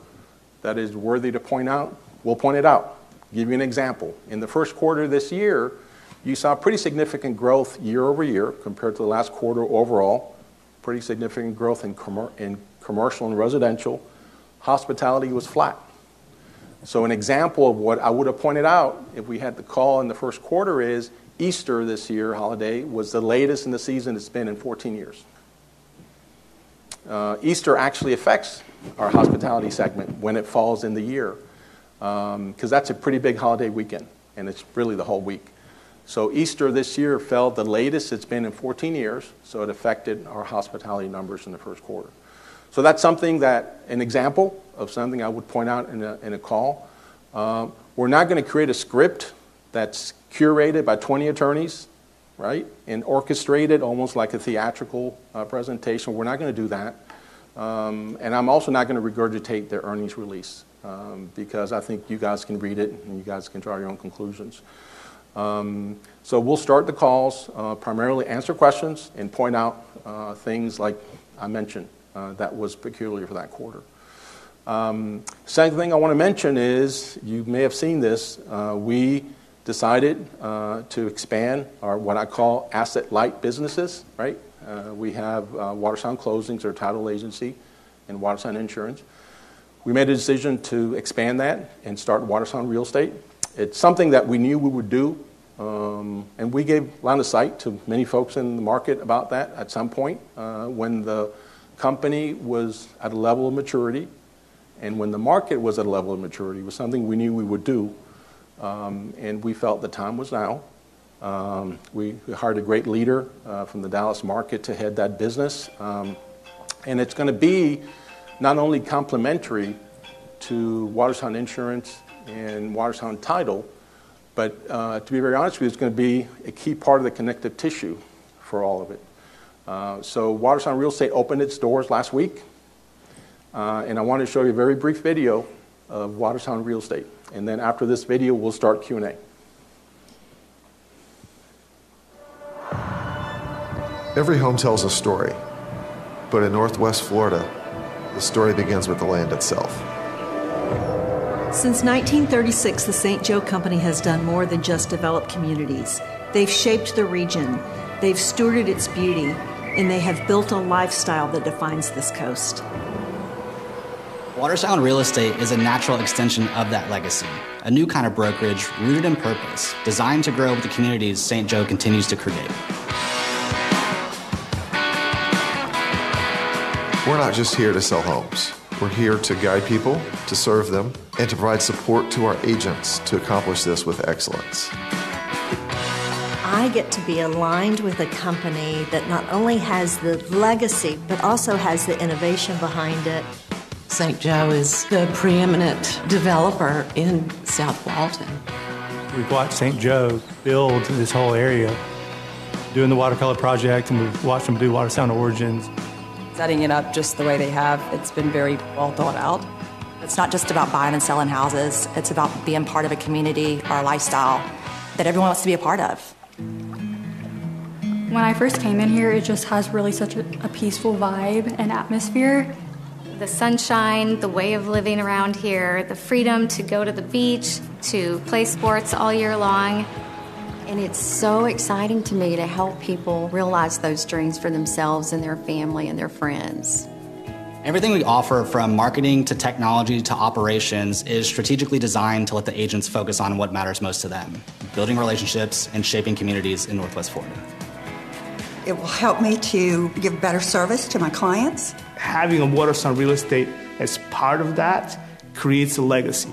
that is worthy to point out, we'll point it out. Give you an example. In the first quarter of this year, you saw pretty significant growth year over year compared to the last quarter overall. Pretty significant growth in commercial and residential. Hospitality was flat. An example of what I would have pointed out if we had the call in the first quarter is Easter this year, holiday, was the latest in the season it has been in 14 years. Easter actually affects our hospitality segment when it falls in the year because that is a pretty big holiday weekend, and it is really the whole week. Easter this year fell the latest it has been in 14 years, so it affected our hospitality numbers in the first quarter. That is something that is an example of something I would point out in a call. We are not going to create a script that is curated by 20 attorneys, right, and orchestrated almost like a theatrical presentation. We are not going to do that. I am also not going to regurgitate the earnings release because I think you guys can read it and you guys can draw your own conclusions. We'll start the calls, primarily answer questions and point out things like I mentioned that was peculiar for that quarter. The second thing I want to mention is you may have seen this. We decided to expand our what I call asset-light businesses, right? We have Watersound Closings, our title agency, and Watersound Insurance. We made a decision to expand that and start Watersound Real Estate. It's something that we knew we would do. We gave a lot of sight to many folks in the market about that at some point when the company was at a level of maturity. When the market was at a level of maturity, it was something we knew we would do. We felt the time was now. We hired a great leader from the Dallas market to head that business. It is going to be not only complementary to Watersound Insurance and Watersound Title, but to be very honest, it is going to be a key part of the connective tissue for all of it. Watersound Real Estate opened its doors last week. I wanted to show you a very brief video of Watersound Real Estate. After this video, we will start Q&A. Every home tells a story. In Northwest Florida, the story begins with the land itself. Since 1936, The St. Joe Company has done more than just develop communities. They have shaped the region. They have stewarded its beauty, and they have built a lifestyle that defines this coast. Watersound Real Estate is a natural extension of that legacy. A new kind of brokerage rooted in purpose, designed to grow with the communities St. Joe continues to create. We are not just here to sell homes. We're here to guide people, to serve them, and to provide support to our agents to accomplish this with excellence. I get to be aligned with a company that not only has the legacy, but also has the innovation behind it. St. Joe is the preeminent developer in South Walton. We've watched St. Joe build this whole area, doing the WaterColor project, and we've watched them do Watersound Origins. Setting it up just the way they have, it's been very well thought out. It's not just about buying and selling houses. It's about being part of a community, our lifestyle, that everyone wants to be a part of. When I first came in here, it just has really such a peaceful vibe and atmosphere. The sunshine, the way of living around here, the freedom to go to the beach, to play sports all year long. It is so exciting to me to help people realize those dreams for themselves and their family and their friends. Everything we offer, from marketing to technology to operations, is strategically designed to let the agents focus on what matters most to them: building relationships and shaping communities in Northwest Florida. It will help me to give better service to my clients. Having Watersound Real Estate as part of that creates a legacy.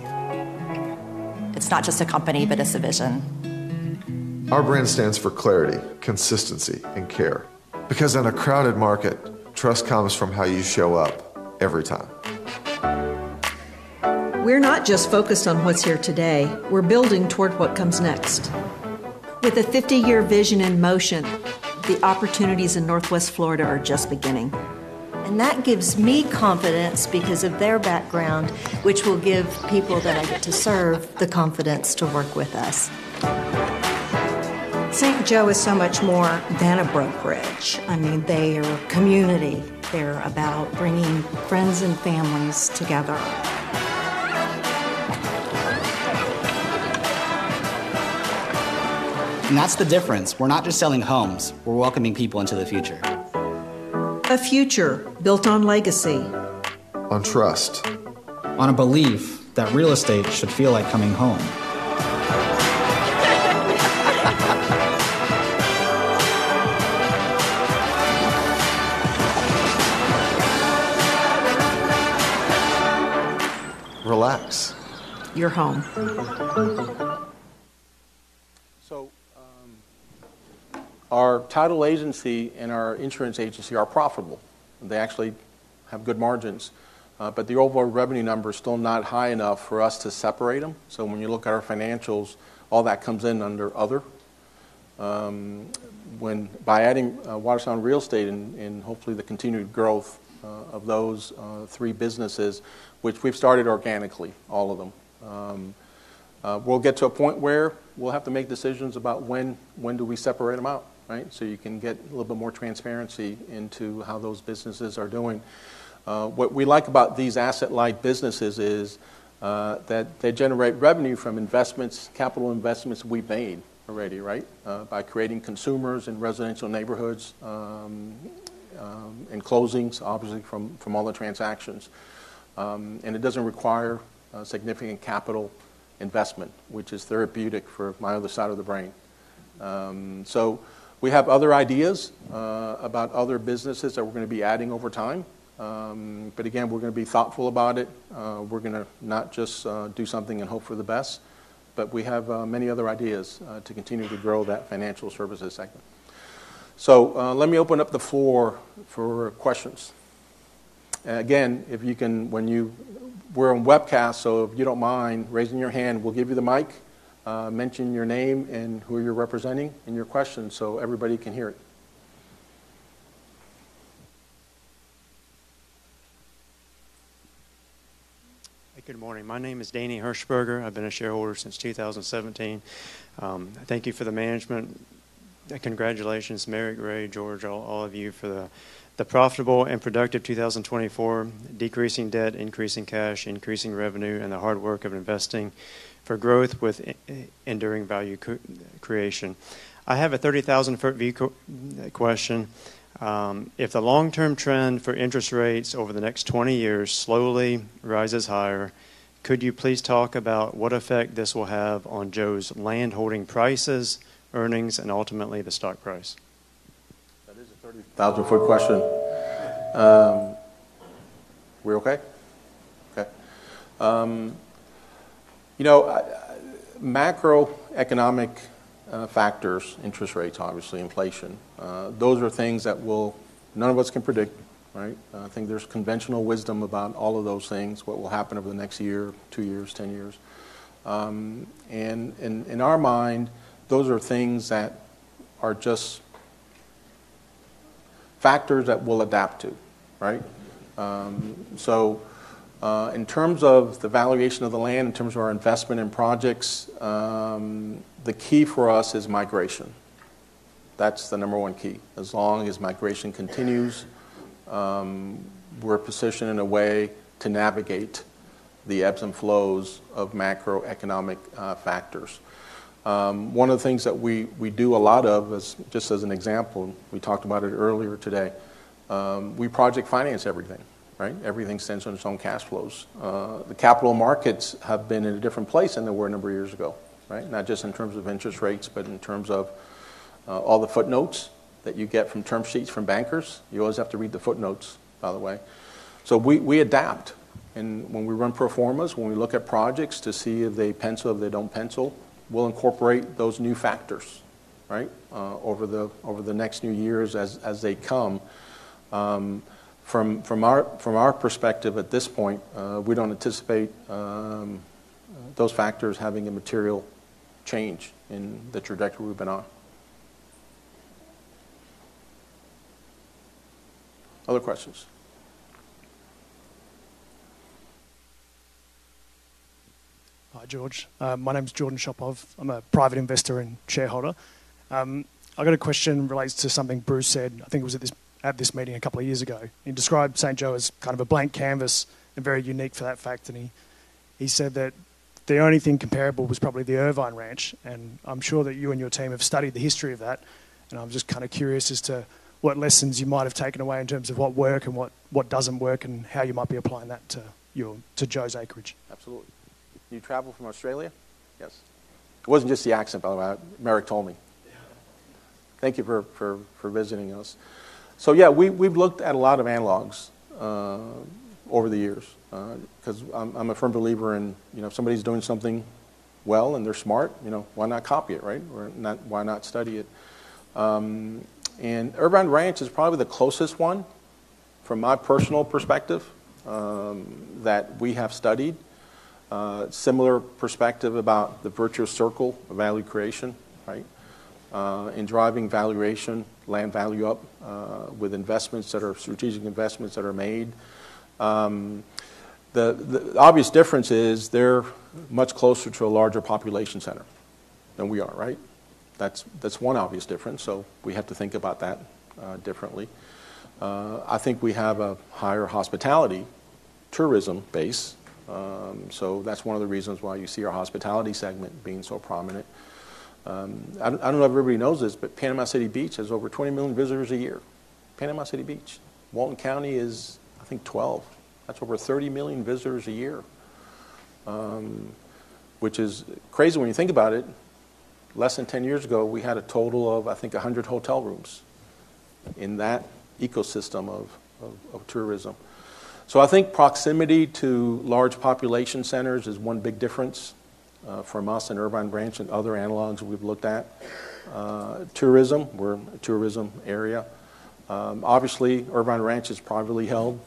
It is not just a company, but it is a vision. Our brand stands for clarity, consistency, and care. Because in a crowded market, trust comes from how you show up every time. We are not just focused on what is here today. We are building toward what comes next. With a 50-year vision in motion, the opportunities in Northwest Florida are just beginning. That gives me confidence because of their background, which will give people that I get to serve the confidence to work with us. St. Joe is so much more than a brokerage. I mean, they are a community. They're about bringing friends and families together. That's the difference. We're not just selling homes. We're welcoming people into the future. A future built on legacy. On trust. On a belief that real estate should feel like coming home. Relax. Your home. Our title agency and our insurance agency are profitable. They actually have good margins. The overall revenue number is still not high enough for us to separate them. When you look at our financials, all that comes in under other. By adding Watersound Real Estate and hopefully the continued growth of those three businesses, which we've started organically, all of them, we'll get to a point where we'll have to make decisions about when do we separate them out, right? You can get a little bit more transparency into how those businesses are doing. What we like about these asset-light businesses is that they generate revenue from investments, capital investments we've made already, right? By creating consumers in residential neighborhoods and closings, obviously, from all the transactions. It doesn't require significant capital investment, which is therapeutic for my other side of the brain. We have other ideas about other businesses that we're going to be adding over time. Again, we're going to be thoughtful about it. We're going to not just do something and hope for the best. We have many other ideas to continue to grow that financial services segment. Let me open up the floor for questions. Again, if you can, when you—we're on webcast, so if you don't mind raising your hand, we'll give you the mic. Mention your name and who you're representing and your question so everybody can hear it. Good morning. My name is Danny Hirschberger. I've been a shareholder since 2017. Thank you for the management. Congratulations, Marek, Rhea, Jorge, all of you for the profitable and productive 2024, decreasing debt, increasing cash, increasing revenue, and the hard work of investing for growth with enduring value creation. I have a 30,000-foot view question. If the long-term trend for interest rates over the next 20 years slowly rises higher, could you please talk about what effect this will have on Joe's landholding prices, earnings, and ultimately the stock price? That is a 30,000-foot question. We're okay? Okay. You know, macroeconomic factors, interest rates, obviously, inflation, those are things that none of us can predict, right? I think there's conventional wisdom about all of those things, what will happen over the next year, two years, ten years. In our mind, those are things that are just factors that we'll adapt to, right? In terms of the valuation of the land, in terms of our investment in projects, the key for us is migration. That's the number one key. As long as migration continues, we're positioned in a way to navigate the ebbs and flows of macroeconomic factors. One of the things that we do a lot of, just as an example, we talked about it earlier today, we project finance everything, right? Everything stands on its own cash flows. The capital markets have been in a different place than they were a number of years ago, right? Not just in terms of interest rates, but in terms of all the footnotes that you get from term sheets from bankers. You always have to read the footnotes, by the way. We adapt. When we run pro formas, when we look at projects to see if they pencil, if they do not pencil, we will incorporate those new factors, right, over the next few years as they come. From our perspective at this point, we do not anticipate those factors having a material change in the trajectory we have been on. Other questions? Hi, Jorge. My name is Jordan Shopov. I am a private investor and shareholder. I have got a question relates to something Bruce said. I think it was at this meeting a couple of years ago. He described St Joe as kind of a blank canvas and very unique for that fact. He said that the only thing comparable was probably the Irvine Ranch. I'm sure that you and your team have studied the history of that. I'm just kind of curious as to what lessons you might have taken away in terms of what works and what does not work and how you might be applying that to Joe's acreage. Absolutely. Do you travel from Australia? Yes. It was not just the accent, by the way. Mary told me. Thank you for visiting us. Yeah, we have looked at a lot of analogs over the years because I'm a firm believer in if somebody is doing something well and they are smart, why not copy it, right? Why not study it? Irvine Ranch is probably the closest one, from my personal perspective, that we have studied. Similar perspective about the virtual circle of value creation, right, in driving valuation, land value up with investments that are strategic investments that are made. The obvious difference is they're much closer to a larger population center than we are, right? That's one obvious difference. We have to think about that differently. I think we have a higher hospitality tourism base. That's one of the reasons why you see our hospitality segment being so prominent. I don't know if everybody knows this, but Panama City Beach has over 20 million visitors a year. Panama City Beach. Walton County is, I think, 12. That's over 30 million visitors a year, which is crazy when you think about it. Less than 10 years ago, we had a total of, I think, 100 hotel rooms in that ecosystem of tourism. I think proximity to large population centers is one big difference for us in Irvine Ranch and other analogs we've looked at. Tourism, we're a tourism area. Obviously, Irvine Ranch is privately held.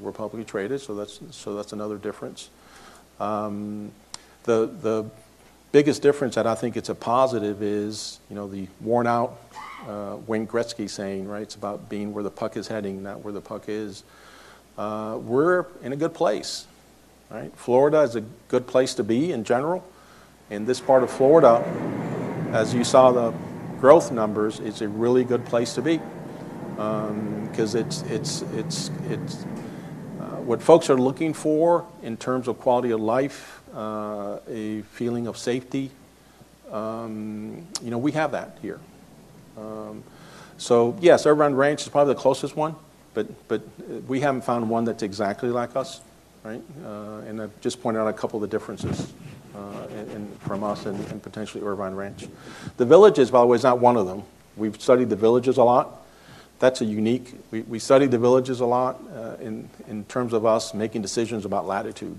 We're publicly traded. That's another difference. The biggest difference that I think is a positive is the worn-out Wayne Gretzky saying, right, it's about being where the puck is heading, not where the puck is. We're in a good place, right? Florida is a good place to be in general. In this part of Florida, as you saw the growth numbers, it's a really good place to be because it's what folks are looking for in terms of quality of life, a feeling of safety. We have that here. Yes, Irvine Ranch is probably the closest one, but we haven't found one that's exactly like us, right? I just pointed out a couple of differences from us and potentially Irvine Ranch. The Villages, by the way, is not one of them. We've studied The Villages a lot. That's a unique—we studied The Villages a lot in terms of us making decisions about Latitude.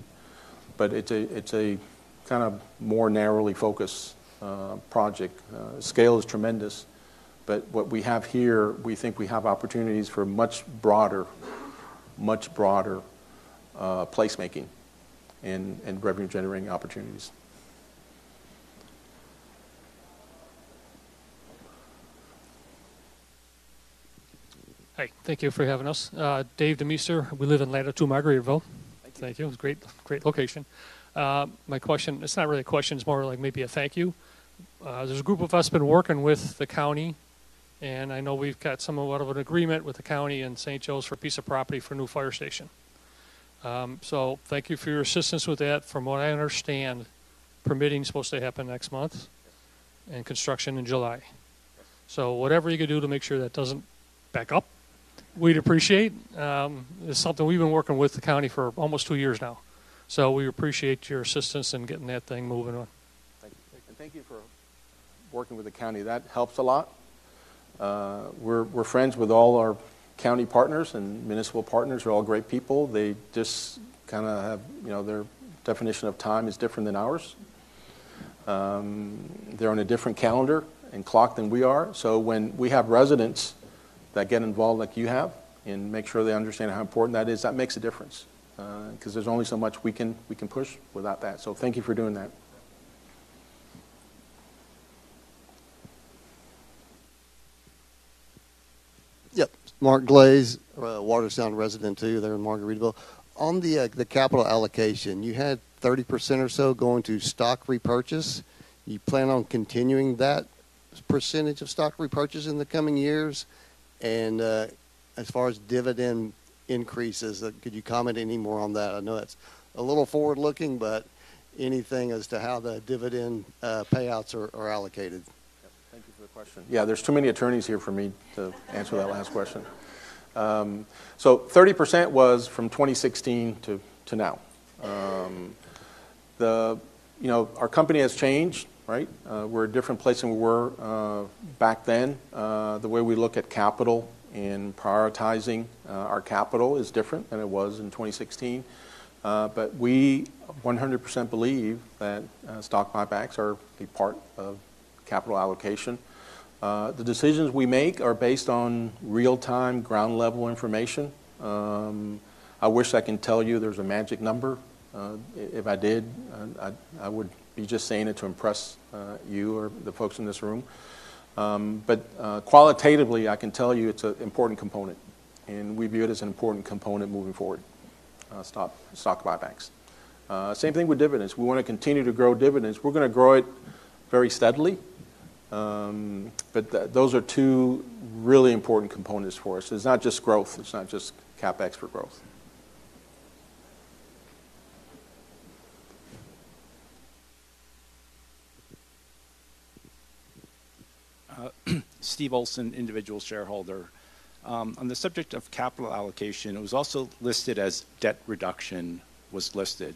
But it's a kind of more narrowly focused project. Scale is tremendous. What we have here, we think we have opportunities for much broader, much broader placemaking and revenue-generating opportunities. Hey, thank you for having us. Dave DeMeester. We live in Lander 2, Margaritaville. Thank you. Thank you. It's a great location. My question, it's not really a question. It's more like maybe a thank you. There's a group of us been working with the county, and I know we've got somewhat of an agreement with the county and St. Joe for a piece of property for a new fire station. Thank you for your assistance with that. From what I understand, permitting is supposed to happen next month and construction in July. Whatever you can do to make sure that does not back up, we would appreciate. It is something we have been working with the county for almost two years now. We appreciate your assistance in getting that thing moving on. Thank you. Thank you for working with the county. That helps a lot. We are friends with all our county partners and municipal partners. They are all great people. They just kind of have their definition of time, which is different than ours. They are on a different calendar and clock than we are. When we have residents that get involved like you have and make sure they understand how important that is, that makes a difference because there is only so much we can push without that. Thank you for doing that. Yep. Mark Glaze, Watersound resident too there in Margaritaville. On the capital allocation, you had 30% or so going to stock repurchase. You plan on continuing that percentage of stock repurchase in the coming years? As far as dividend increases, could you comment any more on that? I know that's a little forward-looking, but anything as to how the dividend payouts are allocated? Thank you for the question. Yeah, there are too many attorneys here for me to answer that last question. 30% was from 2016 to now. Our company has changed, right? We're a different place than we were back then. The way we look at capital and prioritizing our capital is different than it was in 2016. We 100% believe that stock buybacks are a part of capital allocation. The decisions we make are based on real-time ground-level information. I wish I can tell you there's a magic number. If I did, I would be just saying it to impress you or the folks in this room. Qualitatively, I can tell you it's an important component. We view it as an important component moving forward, stock buybacks. Same thing with dividends. We want to continue to grow dividends. We're going to grow it very steadily. Those are two really important components for us. It's not just growth. It's not just CapEx for growth. Steve Olson, individual shareholder. On the subject of capital allocation, it was also listed as debt reduction was listed.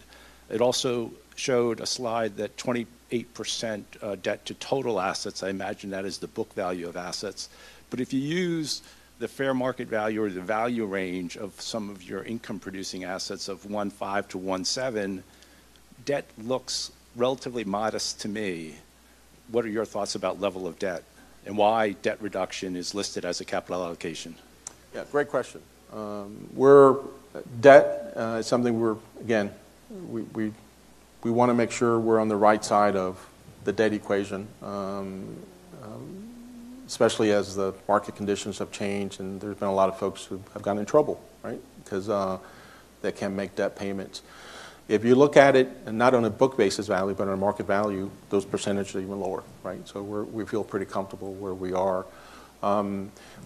It also showed a slide that 28% debt to total assets. I imagine that is the book value of assets. If you use the fair market value or the value range of some of your income-producing assets of $1.5 billion-$1.7 billion, debt looks relatively modest to me. What are your thoughts about level of debt and why debt reduction is listed as a capital allocation? Yeah, great question. Debt is something we're, again, we want to make sure we're on the right side of the debt equation, especially as the market conditions have changed and there's been a lot of folks who have gotten in trouble, right, because they can't make debt payments. If you look at it, not on a book basis value, but on a market value, those percentages are even lower, right? We feel pretty comfortable where we are.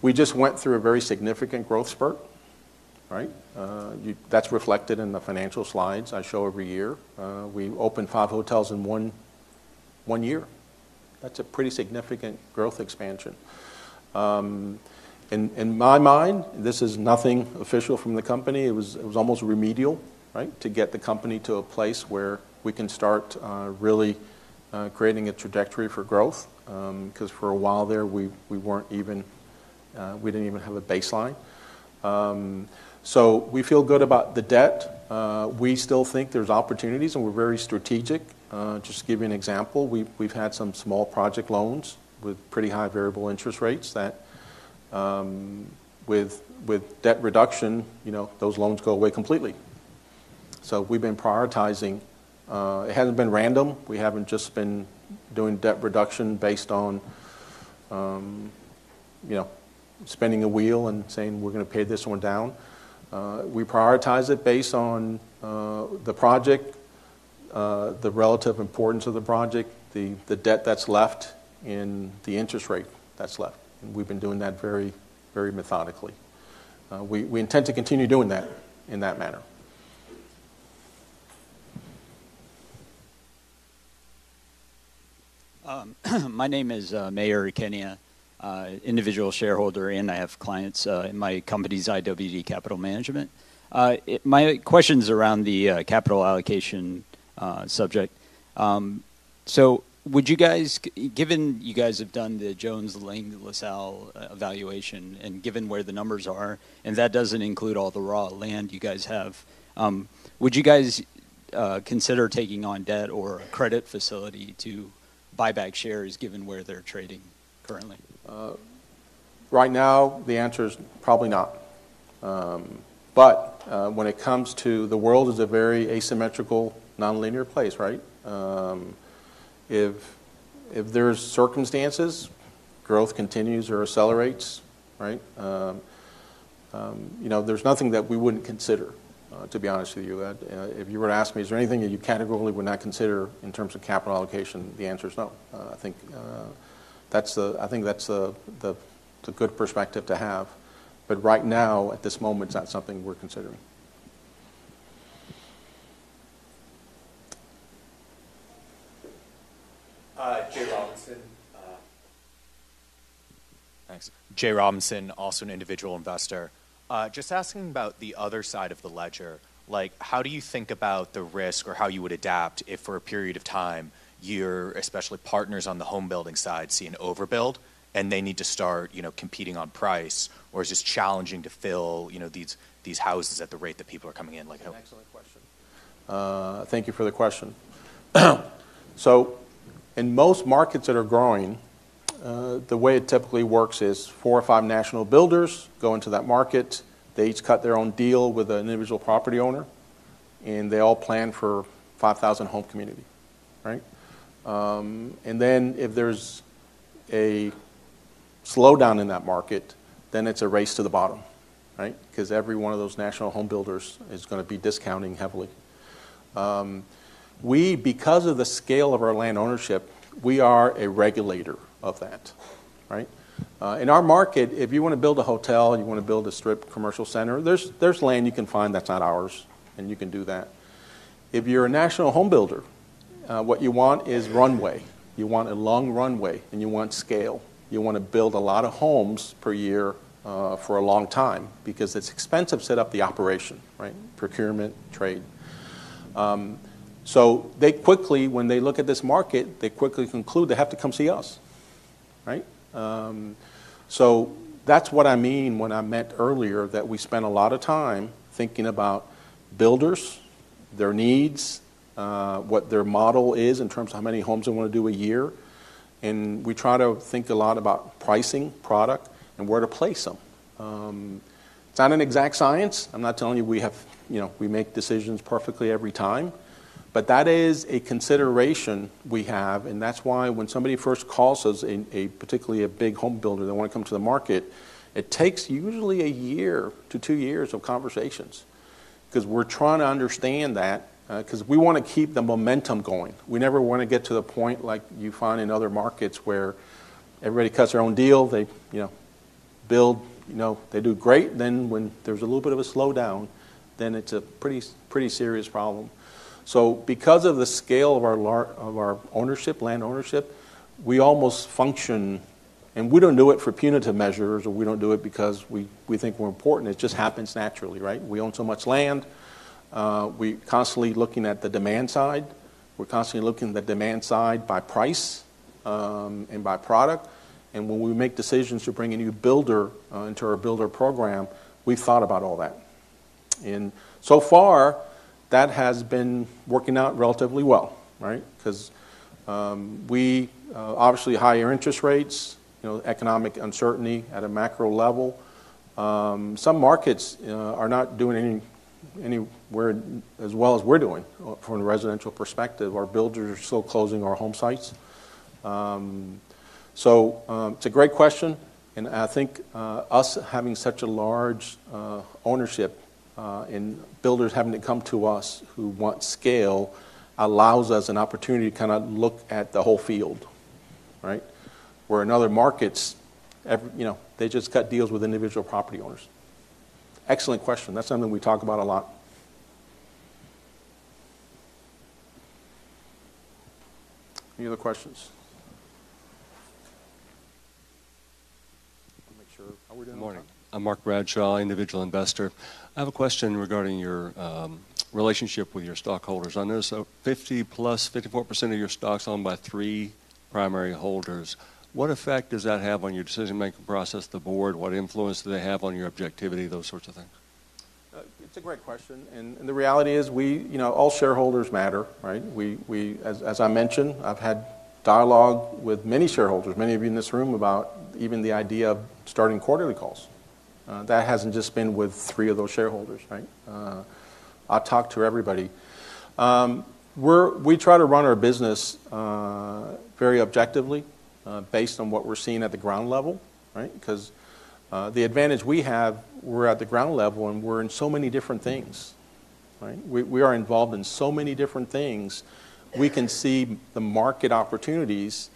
We just went through a very significant growth spurt, right? That's reflected in the financial slides I show every year. We opened five hotels in one year. That's a pretty significant growth expansion. In my mind, this is nothing official from the company. It was almost remedial, right, to get the company to a place where we can start really creating a trajectory for growth because for a while there, we didn't even have a baseline. We feel good about the debt. We still think there's opportunities and we're very strategic. Just to give you an example, we've had some small project loans with pretty high variable interest rates that with debt reduction, those loans go away completely. We've been prioritizing. It hasn't been random. We have not just been doing debt reduction based on spinning a wheel and saying, "We are going to pay this one down." We prioritize it based on the project, the relative importance of the project, the debt that is left, and the interest rate that is left. We have been doing that very, very methodically. We intend to continue doing that in that manner. My name is Marek Bakun, individual shareholder, and I have clients in my company, ZWD Capital Management. My question is around the capital allocation subject. Would you guys, given you have done the Jones Lang LaSalle evaluation and given where the numbers are, and that does not include all the raw land you have, would you consider taking on debt or a credit facility to buy back shares given where they are trading currently? Right now, the answer is probably not. When it comes to the world, it's a very asymmetrical, non-linear place, right? If there's circumstances, growth continues or accelerates, right? There's nothing that we wouldn't consider, to be honest with you. If you were to ask me, is there anything that you categorically would not consider in terms of capital allocation, the answer is no. I think that's the good perspective to have. Right now, at this moment, it's not something we're considering. Jay Robinson. Thanks. Jay Robinson, also an individual investor. Just asking about the other side of the ledger. How do you think about the risk or how you would adapt if for a period of time your, especially partners on the home building side, see an overbuild and they need to start competing on price or is it just challenging to fill these houses at the rate that people are coming in? Excellent question. Thank you for the question. In most markets that are growing, the way it typically works is four or five national builders go into that market. They each cut their own deal with an individual property owner, and they all plan for a 5,000 home community, right? If there is a slowdown in that market, it is a race to the bottom, right? Because every one of those national home builders is going to be discounting heavily. We, because of the scale of our land ownership, we are a regulator of that, right? In our market, if you want to build a hotel and you want to build a strip commercial center, there is land you can find that is not ours, and you can do that. If you are a national home builder, what you want is runway. You want a long runway, and you want scale. You want to build a lot of homes per year for a long time because it's expensive to set up the operation, right? Procurement, trade. They quickly, when they look at this market, they quickly conclude they have to come see us, right? That's what I mean when I meant earlier that we spent a lot of time thinking about builders, their needs, what their model is in terms of how many homes they want to do a year. We try to think a lot about pricing, product, and where to place them. It's not an exact science. I'm not telling you we make decisions perfectly every time. That is a consideration we have. That is why when somebody first calls us, particularly a big home builder that wants to come to the market, it takes usually a year to two years of conversations because we are trying to understand that because we want to keep the momentum going. We never want to get to the point like you find in other markets where everybody cuts their own deal, they build, they do great. When there is a little bit of a slowdown, then it is a pretty serious problem. Because of the scale of our ownership, land ownership, we almost function, and we do not do it for punitive measures or we do not do it because we think we are important. It just happens naturally, right? We own so much land. We are constantly looking at the demand side. We are constantly looking at the demand side by price and by product. When we make decisions to bring a new builder into our builder program, we've thought about all that. So far, that has been working out relatively well, right? We obviously have higher interest rates, economic uncertainty at a macro level. Some markets are not doing anywhere as well as we're doing from a residential perspective. Our builders are still closing our home sites. It's a great question. I think us having such a large ownership and builders having to come to us who want scale allows us an opportunity to kind of look at the whole field, right? Where in other markets, they just cut deals with individual property owners. Excellent question. That's something we talk about a lot. Any other questions? I am Mark Bradshaw, individual investor. I have a question regarding your relationship with your stockholders. I noticed 50%+, 54% of your stock's owned by three primary holders. What effect does that have on your decision-making process, the board? What influence do they have on your objectivity, those sorts of things? It's a great question. The reality is all shareholders matter, right? As I mentioned, I've had dialogue with many shareholders, many of you in this room, about even the idea of starting quarterly calls. That hasn't just been with three of those shareholders, right? I've talked to everybody. We try to run our business very objectively based on what we're seeing at the ground level, right? Because the advantage we have, we're at the ground level and we're in so many different things, right? We are involved in so many different things. We can see the market opportunities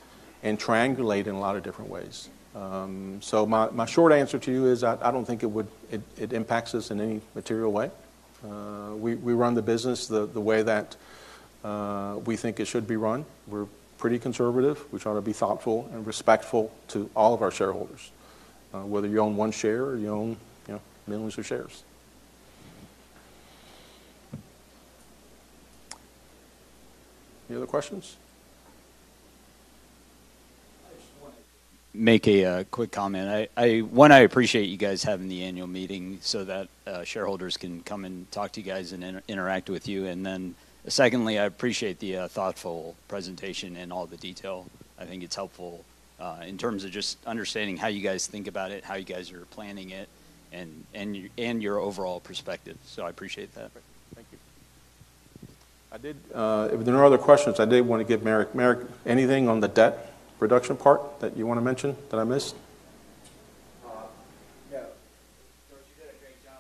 and triangulate in a lot of different ways. My short answer to you is I do not think it impacts us in any material way. We run the business the way that we think it should be run. We are pretty conservative. We try to be thoughtful and respectful to all of our shareholders, whether you own one share or you own millions of shares. Any other questions? I just want to make a quick comment. One, I appreciate you guys having the annual meeting so that shareholders can come and talk to you guys and interact with you. And then secondly, I appreciate the thoughtful presentation and all the detail. I think it is helpful in terms of just understanding how you guys think about it, how you guys are planning it, and your overall perspective. I appreciate that. Thank you. If there are no other questions, I did want to give Marek. Marek, anything on the debt reduction part that you want to mention that I missed? No. Jorge, you did a great job.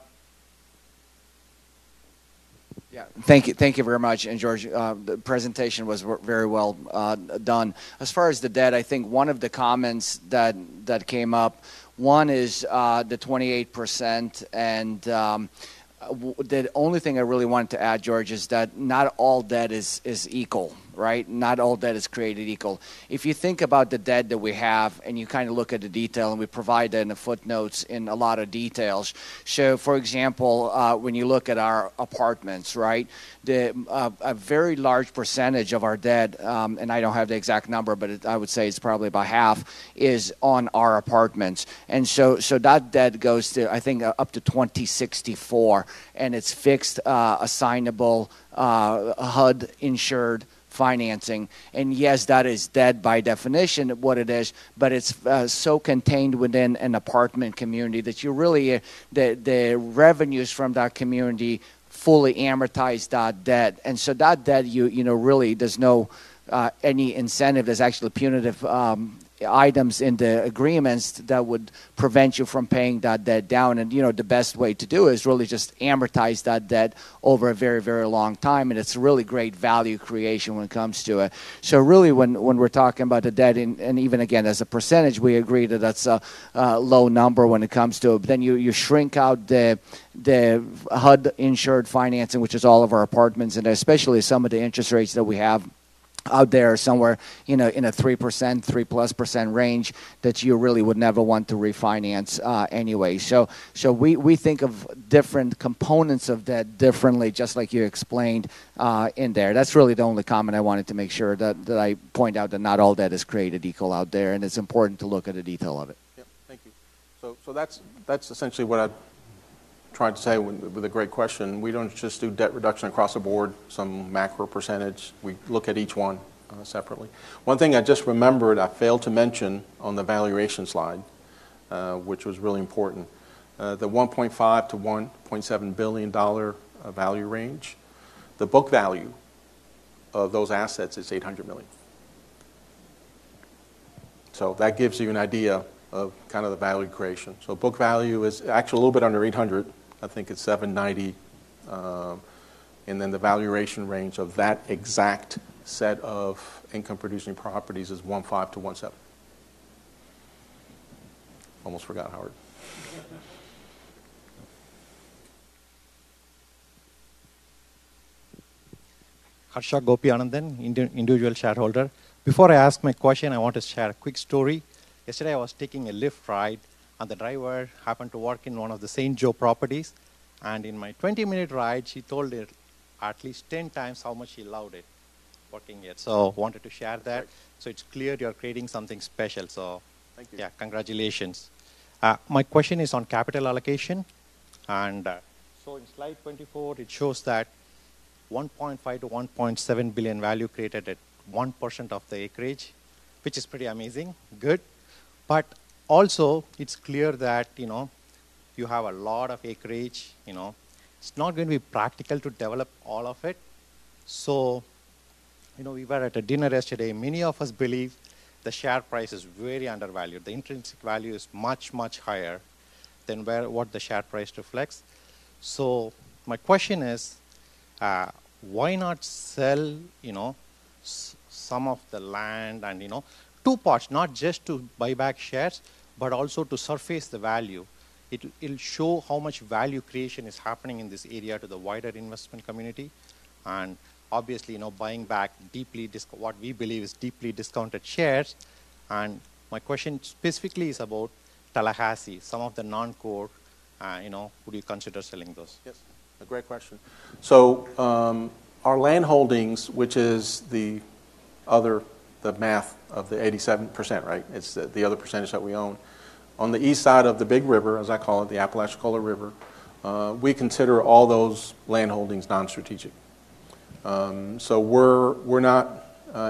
Yeah. Thank you very much. And Jorge, the presentation was very well done. As far as the debt, I think one of the comments that came up, one is the 28%. The only thing I really wanted to add, Jorge, is that not all debt is equal, right? Not all debt is created equal. If you think about the debt that we have and you kind of look at the detail and we provide that in the footnotes in a lot of details. For example, when you look at our apartments, a very large percentage of our debt, and I do not have the exact number, but I would say it is probably about half, is on our apartments. That debt goes to, I think, up to 2064, and it is fixed, assignable, HUD-insured financing. Yes, that is debt by definition, what it is, but it is so contained within an apartment community that you really, the revenues from that community fully amortize that debt. That debt really does not have any incentive. There are actually punitive items in the agreements that would prevent you from paying that debt down. The best way to do it is really just amortize that debt over a very, very long time. It is really great value creation when it comes to it. Really, when we are talking about the debt, and even again, as a percentage, we agree that is a low number when it comes to it. But then you shrink out the HUD-insured financing, which is all of our apartments, and especially some of the interest rates that we have out there somewhere in a 3%, 3+% range that you really would never want to refinance anyway. We think of different components of debt differently, just like you explained in there. That is really the only comment I wanted to make sure that I point out, that not all debt is created equal out there, and it is important to look at the detail of it. Yep. Thank you. That is essentially what I am trying to say with a great question. We do not just do debt reduction across the board, some macro percentage. We look at each one separately. One thing I just remembered I failed to mention on the valuation slide, which was really important, the $1.5 billion-$1.7 billion value range. The book value of those assets is $800 million. That gives you an idea of kind of the value creation. Book value is actually a little bit under $800. I think it is $790. The valuation range of that exact set of income-producing properties is $1.5 billion-$1.7 billion. Almost forgot Howard. Ashok Gopianandan, individual shareholder. Before I ask my question, I want to share a quick story. Yesterday, I was taking a Lyft ride, and the driver happened to work in one of the St. Joe properties. In my 20-minute ride, she told it at least 10 times how much she loved it working here. I wanted to share that. It is clear you are creating something special. Congratulations. My question is on capital allocation. In slide 24, it shows that $1.5 billion to $1.7 billion value created at 1% of the acreage, which is pretty amazing. Good. Also, it's clear that you have a lot of acreage. It's not going to be practical to develop all of it. We were at a dinner yesterday. Many of us believe the share price is very undervalued. The intrinsic value is much, much higher than what the share price reflects. My question is, why not sell some of the land in two parts, not just to buy back shares, but also to surface the value? It'll show how much value creation is happening in this area to the wider investment community. Obviously, buying back what we believe is deeply discounted shares. My question specifically is about Tallahassee, some of the non-core, would you consider selling those? Yes. A great question. Our land holdings, which is the other math of the 87%, right? It's the other percentage that we own. On the east side of the big river, as I call it, the Apalachicola River, we consider all those land holdings non-strategic. We're not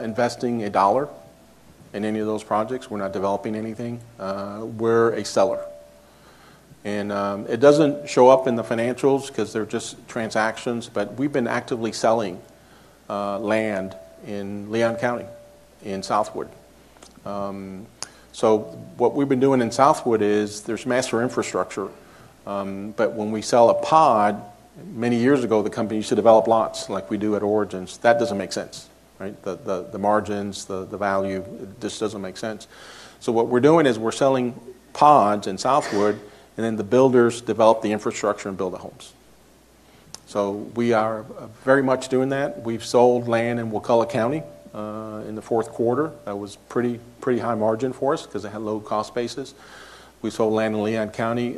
investing a dollar in any of those projects. We're not developing anything. We're a seller. It doesn't show up in the financials because they're just transactions, but we've been actively selling land in Leon County in Southwood. What we've been doing in Southwood is there's massive infrastructure. When we sell a pod, many years ago, the company used to develop lots like we do at Origins. That doesn't make sense, right? The margins, the value, it just doesn't make sense. What we're doing is we're selling pods in Southwood, and then the builders develop the infrastructure and build the homes. We are very much doing that. We've sold land in Wakulla County in the fourth quarter. That was pretty high margin for us because it had low cost basis. We sold land in Leon County.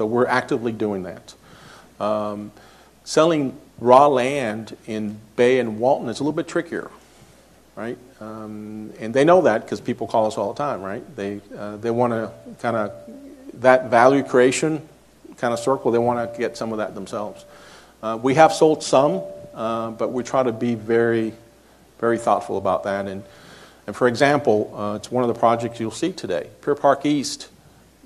We're actively doing that. Selling raw land in Bay and Walton, it's a little bit trickier, right? They know that because people call us all the time, right? They want to kind of that value creation kind of circle. They want to get some of that themselves. We have sold some, but we try to be very, very thoughtful about that. For example, it's one of the projects you'll see today. Pier Park East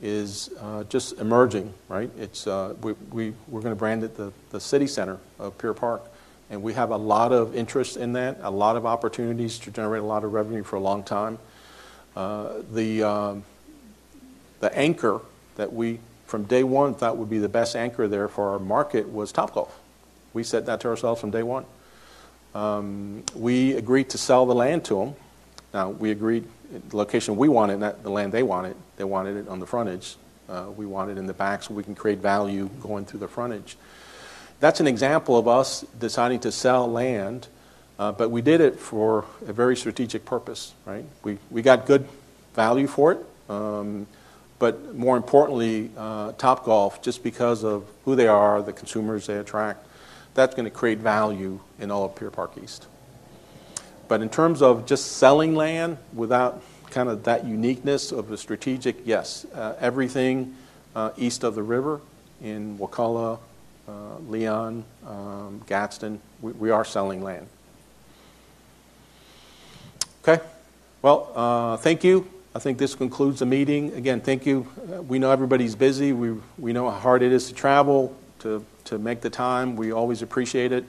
is just emerging, right? We're going to brand it the city center of Pier Park. We have a lot of interest in that, a lot of opportunities to generate a lot of revenue for a long time. The anchor that we from day one thought would be the best anchor there for our market was Topgolf. We said that to ourselves from day one. We agreed to sell the land to them. Now, we agreed the location we wanted, not the land they wanted. They wanted it on the frontage. We wanted it in the back so we can create value going through the frontage. That's an example of us deciding to sell land, but we did it for a very strategic purpose, right? We got good value for it. More importantly, Topgolf, just because of who they are, the consumers they attract, that's going to create value in all of Pier Park East. But in terms of just selling land without kind of that uniqueness of the strategic, yes, everything east of the river in Wakulla, Leon, Gadsden, we are selling land. Okay. Thank you. I think this concludes the meeting. Again, thank you. We know everybody's busy. We know how hard it is to travel, to make the time. We always appreciate it.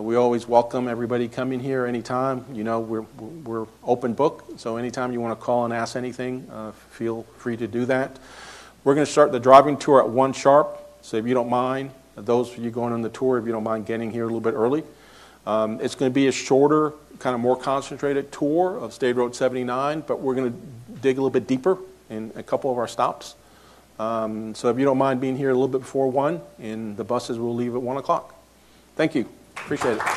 We always welcome everybody coming here anytime. We're open book. So anytime you want to call and ask anything, feel free to do that. We're going to start the driving tour at 1:00 P.M. If you don't mind, those of you going on the tour, if you don't mind getting here a little bit early, it's going to be a shorter, kind of more concentrated tour of State Road 79, but we're going to dig a little bit deeper in a couple of our stops. If you don't mind being here a little bit before 1:00, and the buses will leave at 1:00. Thank you. Appreciate it.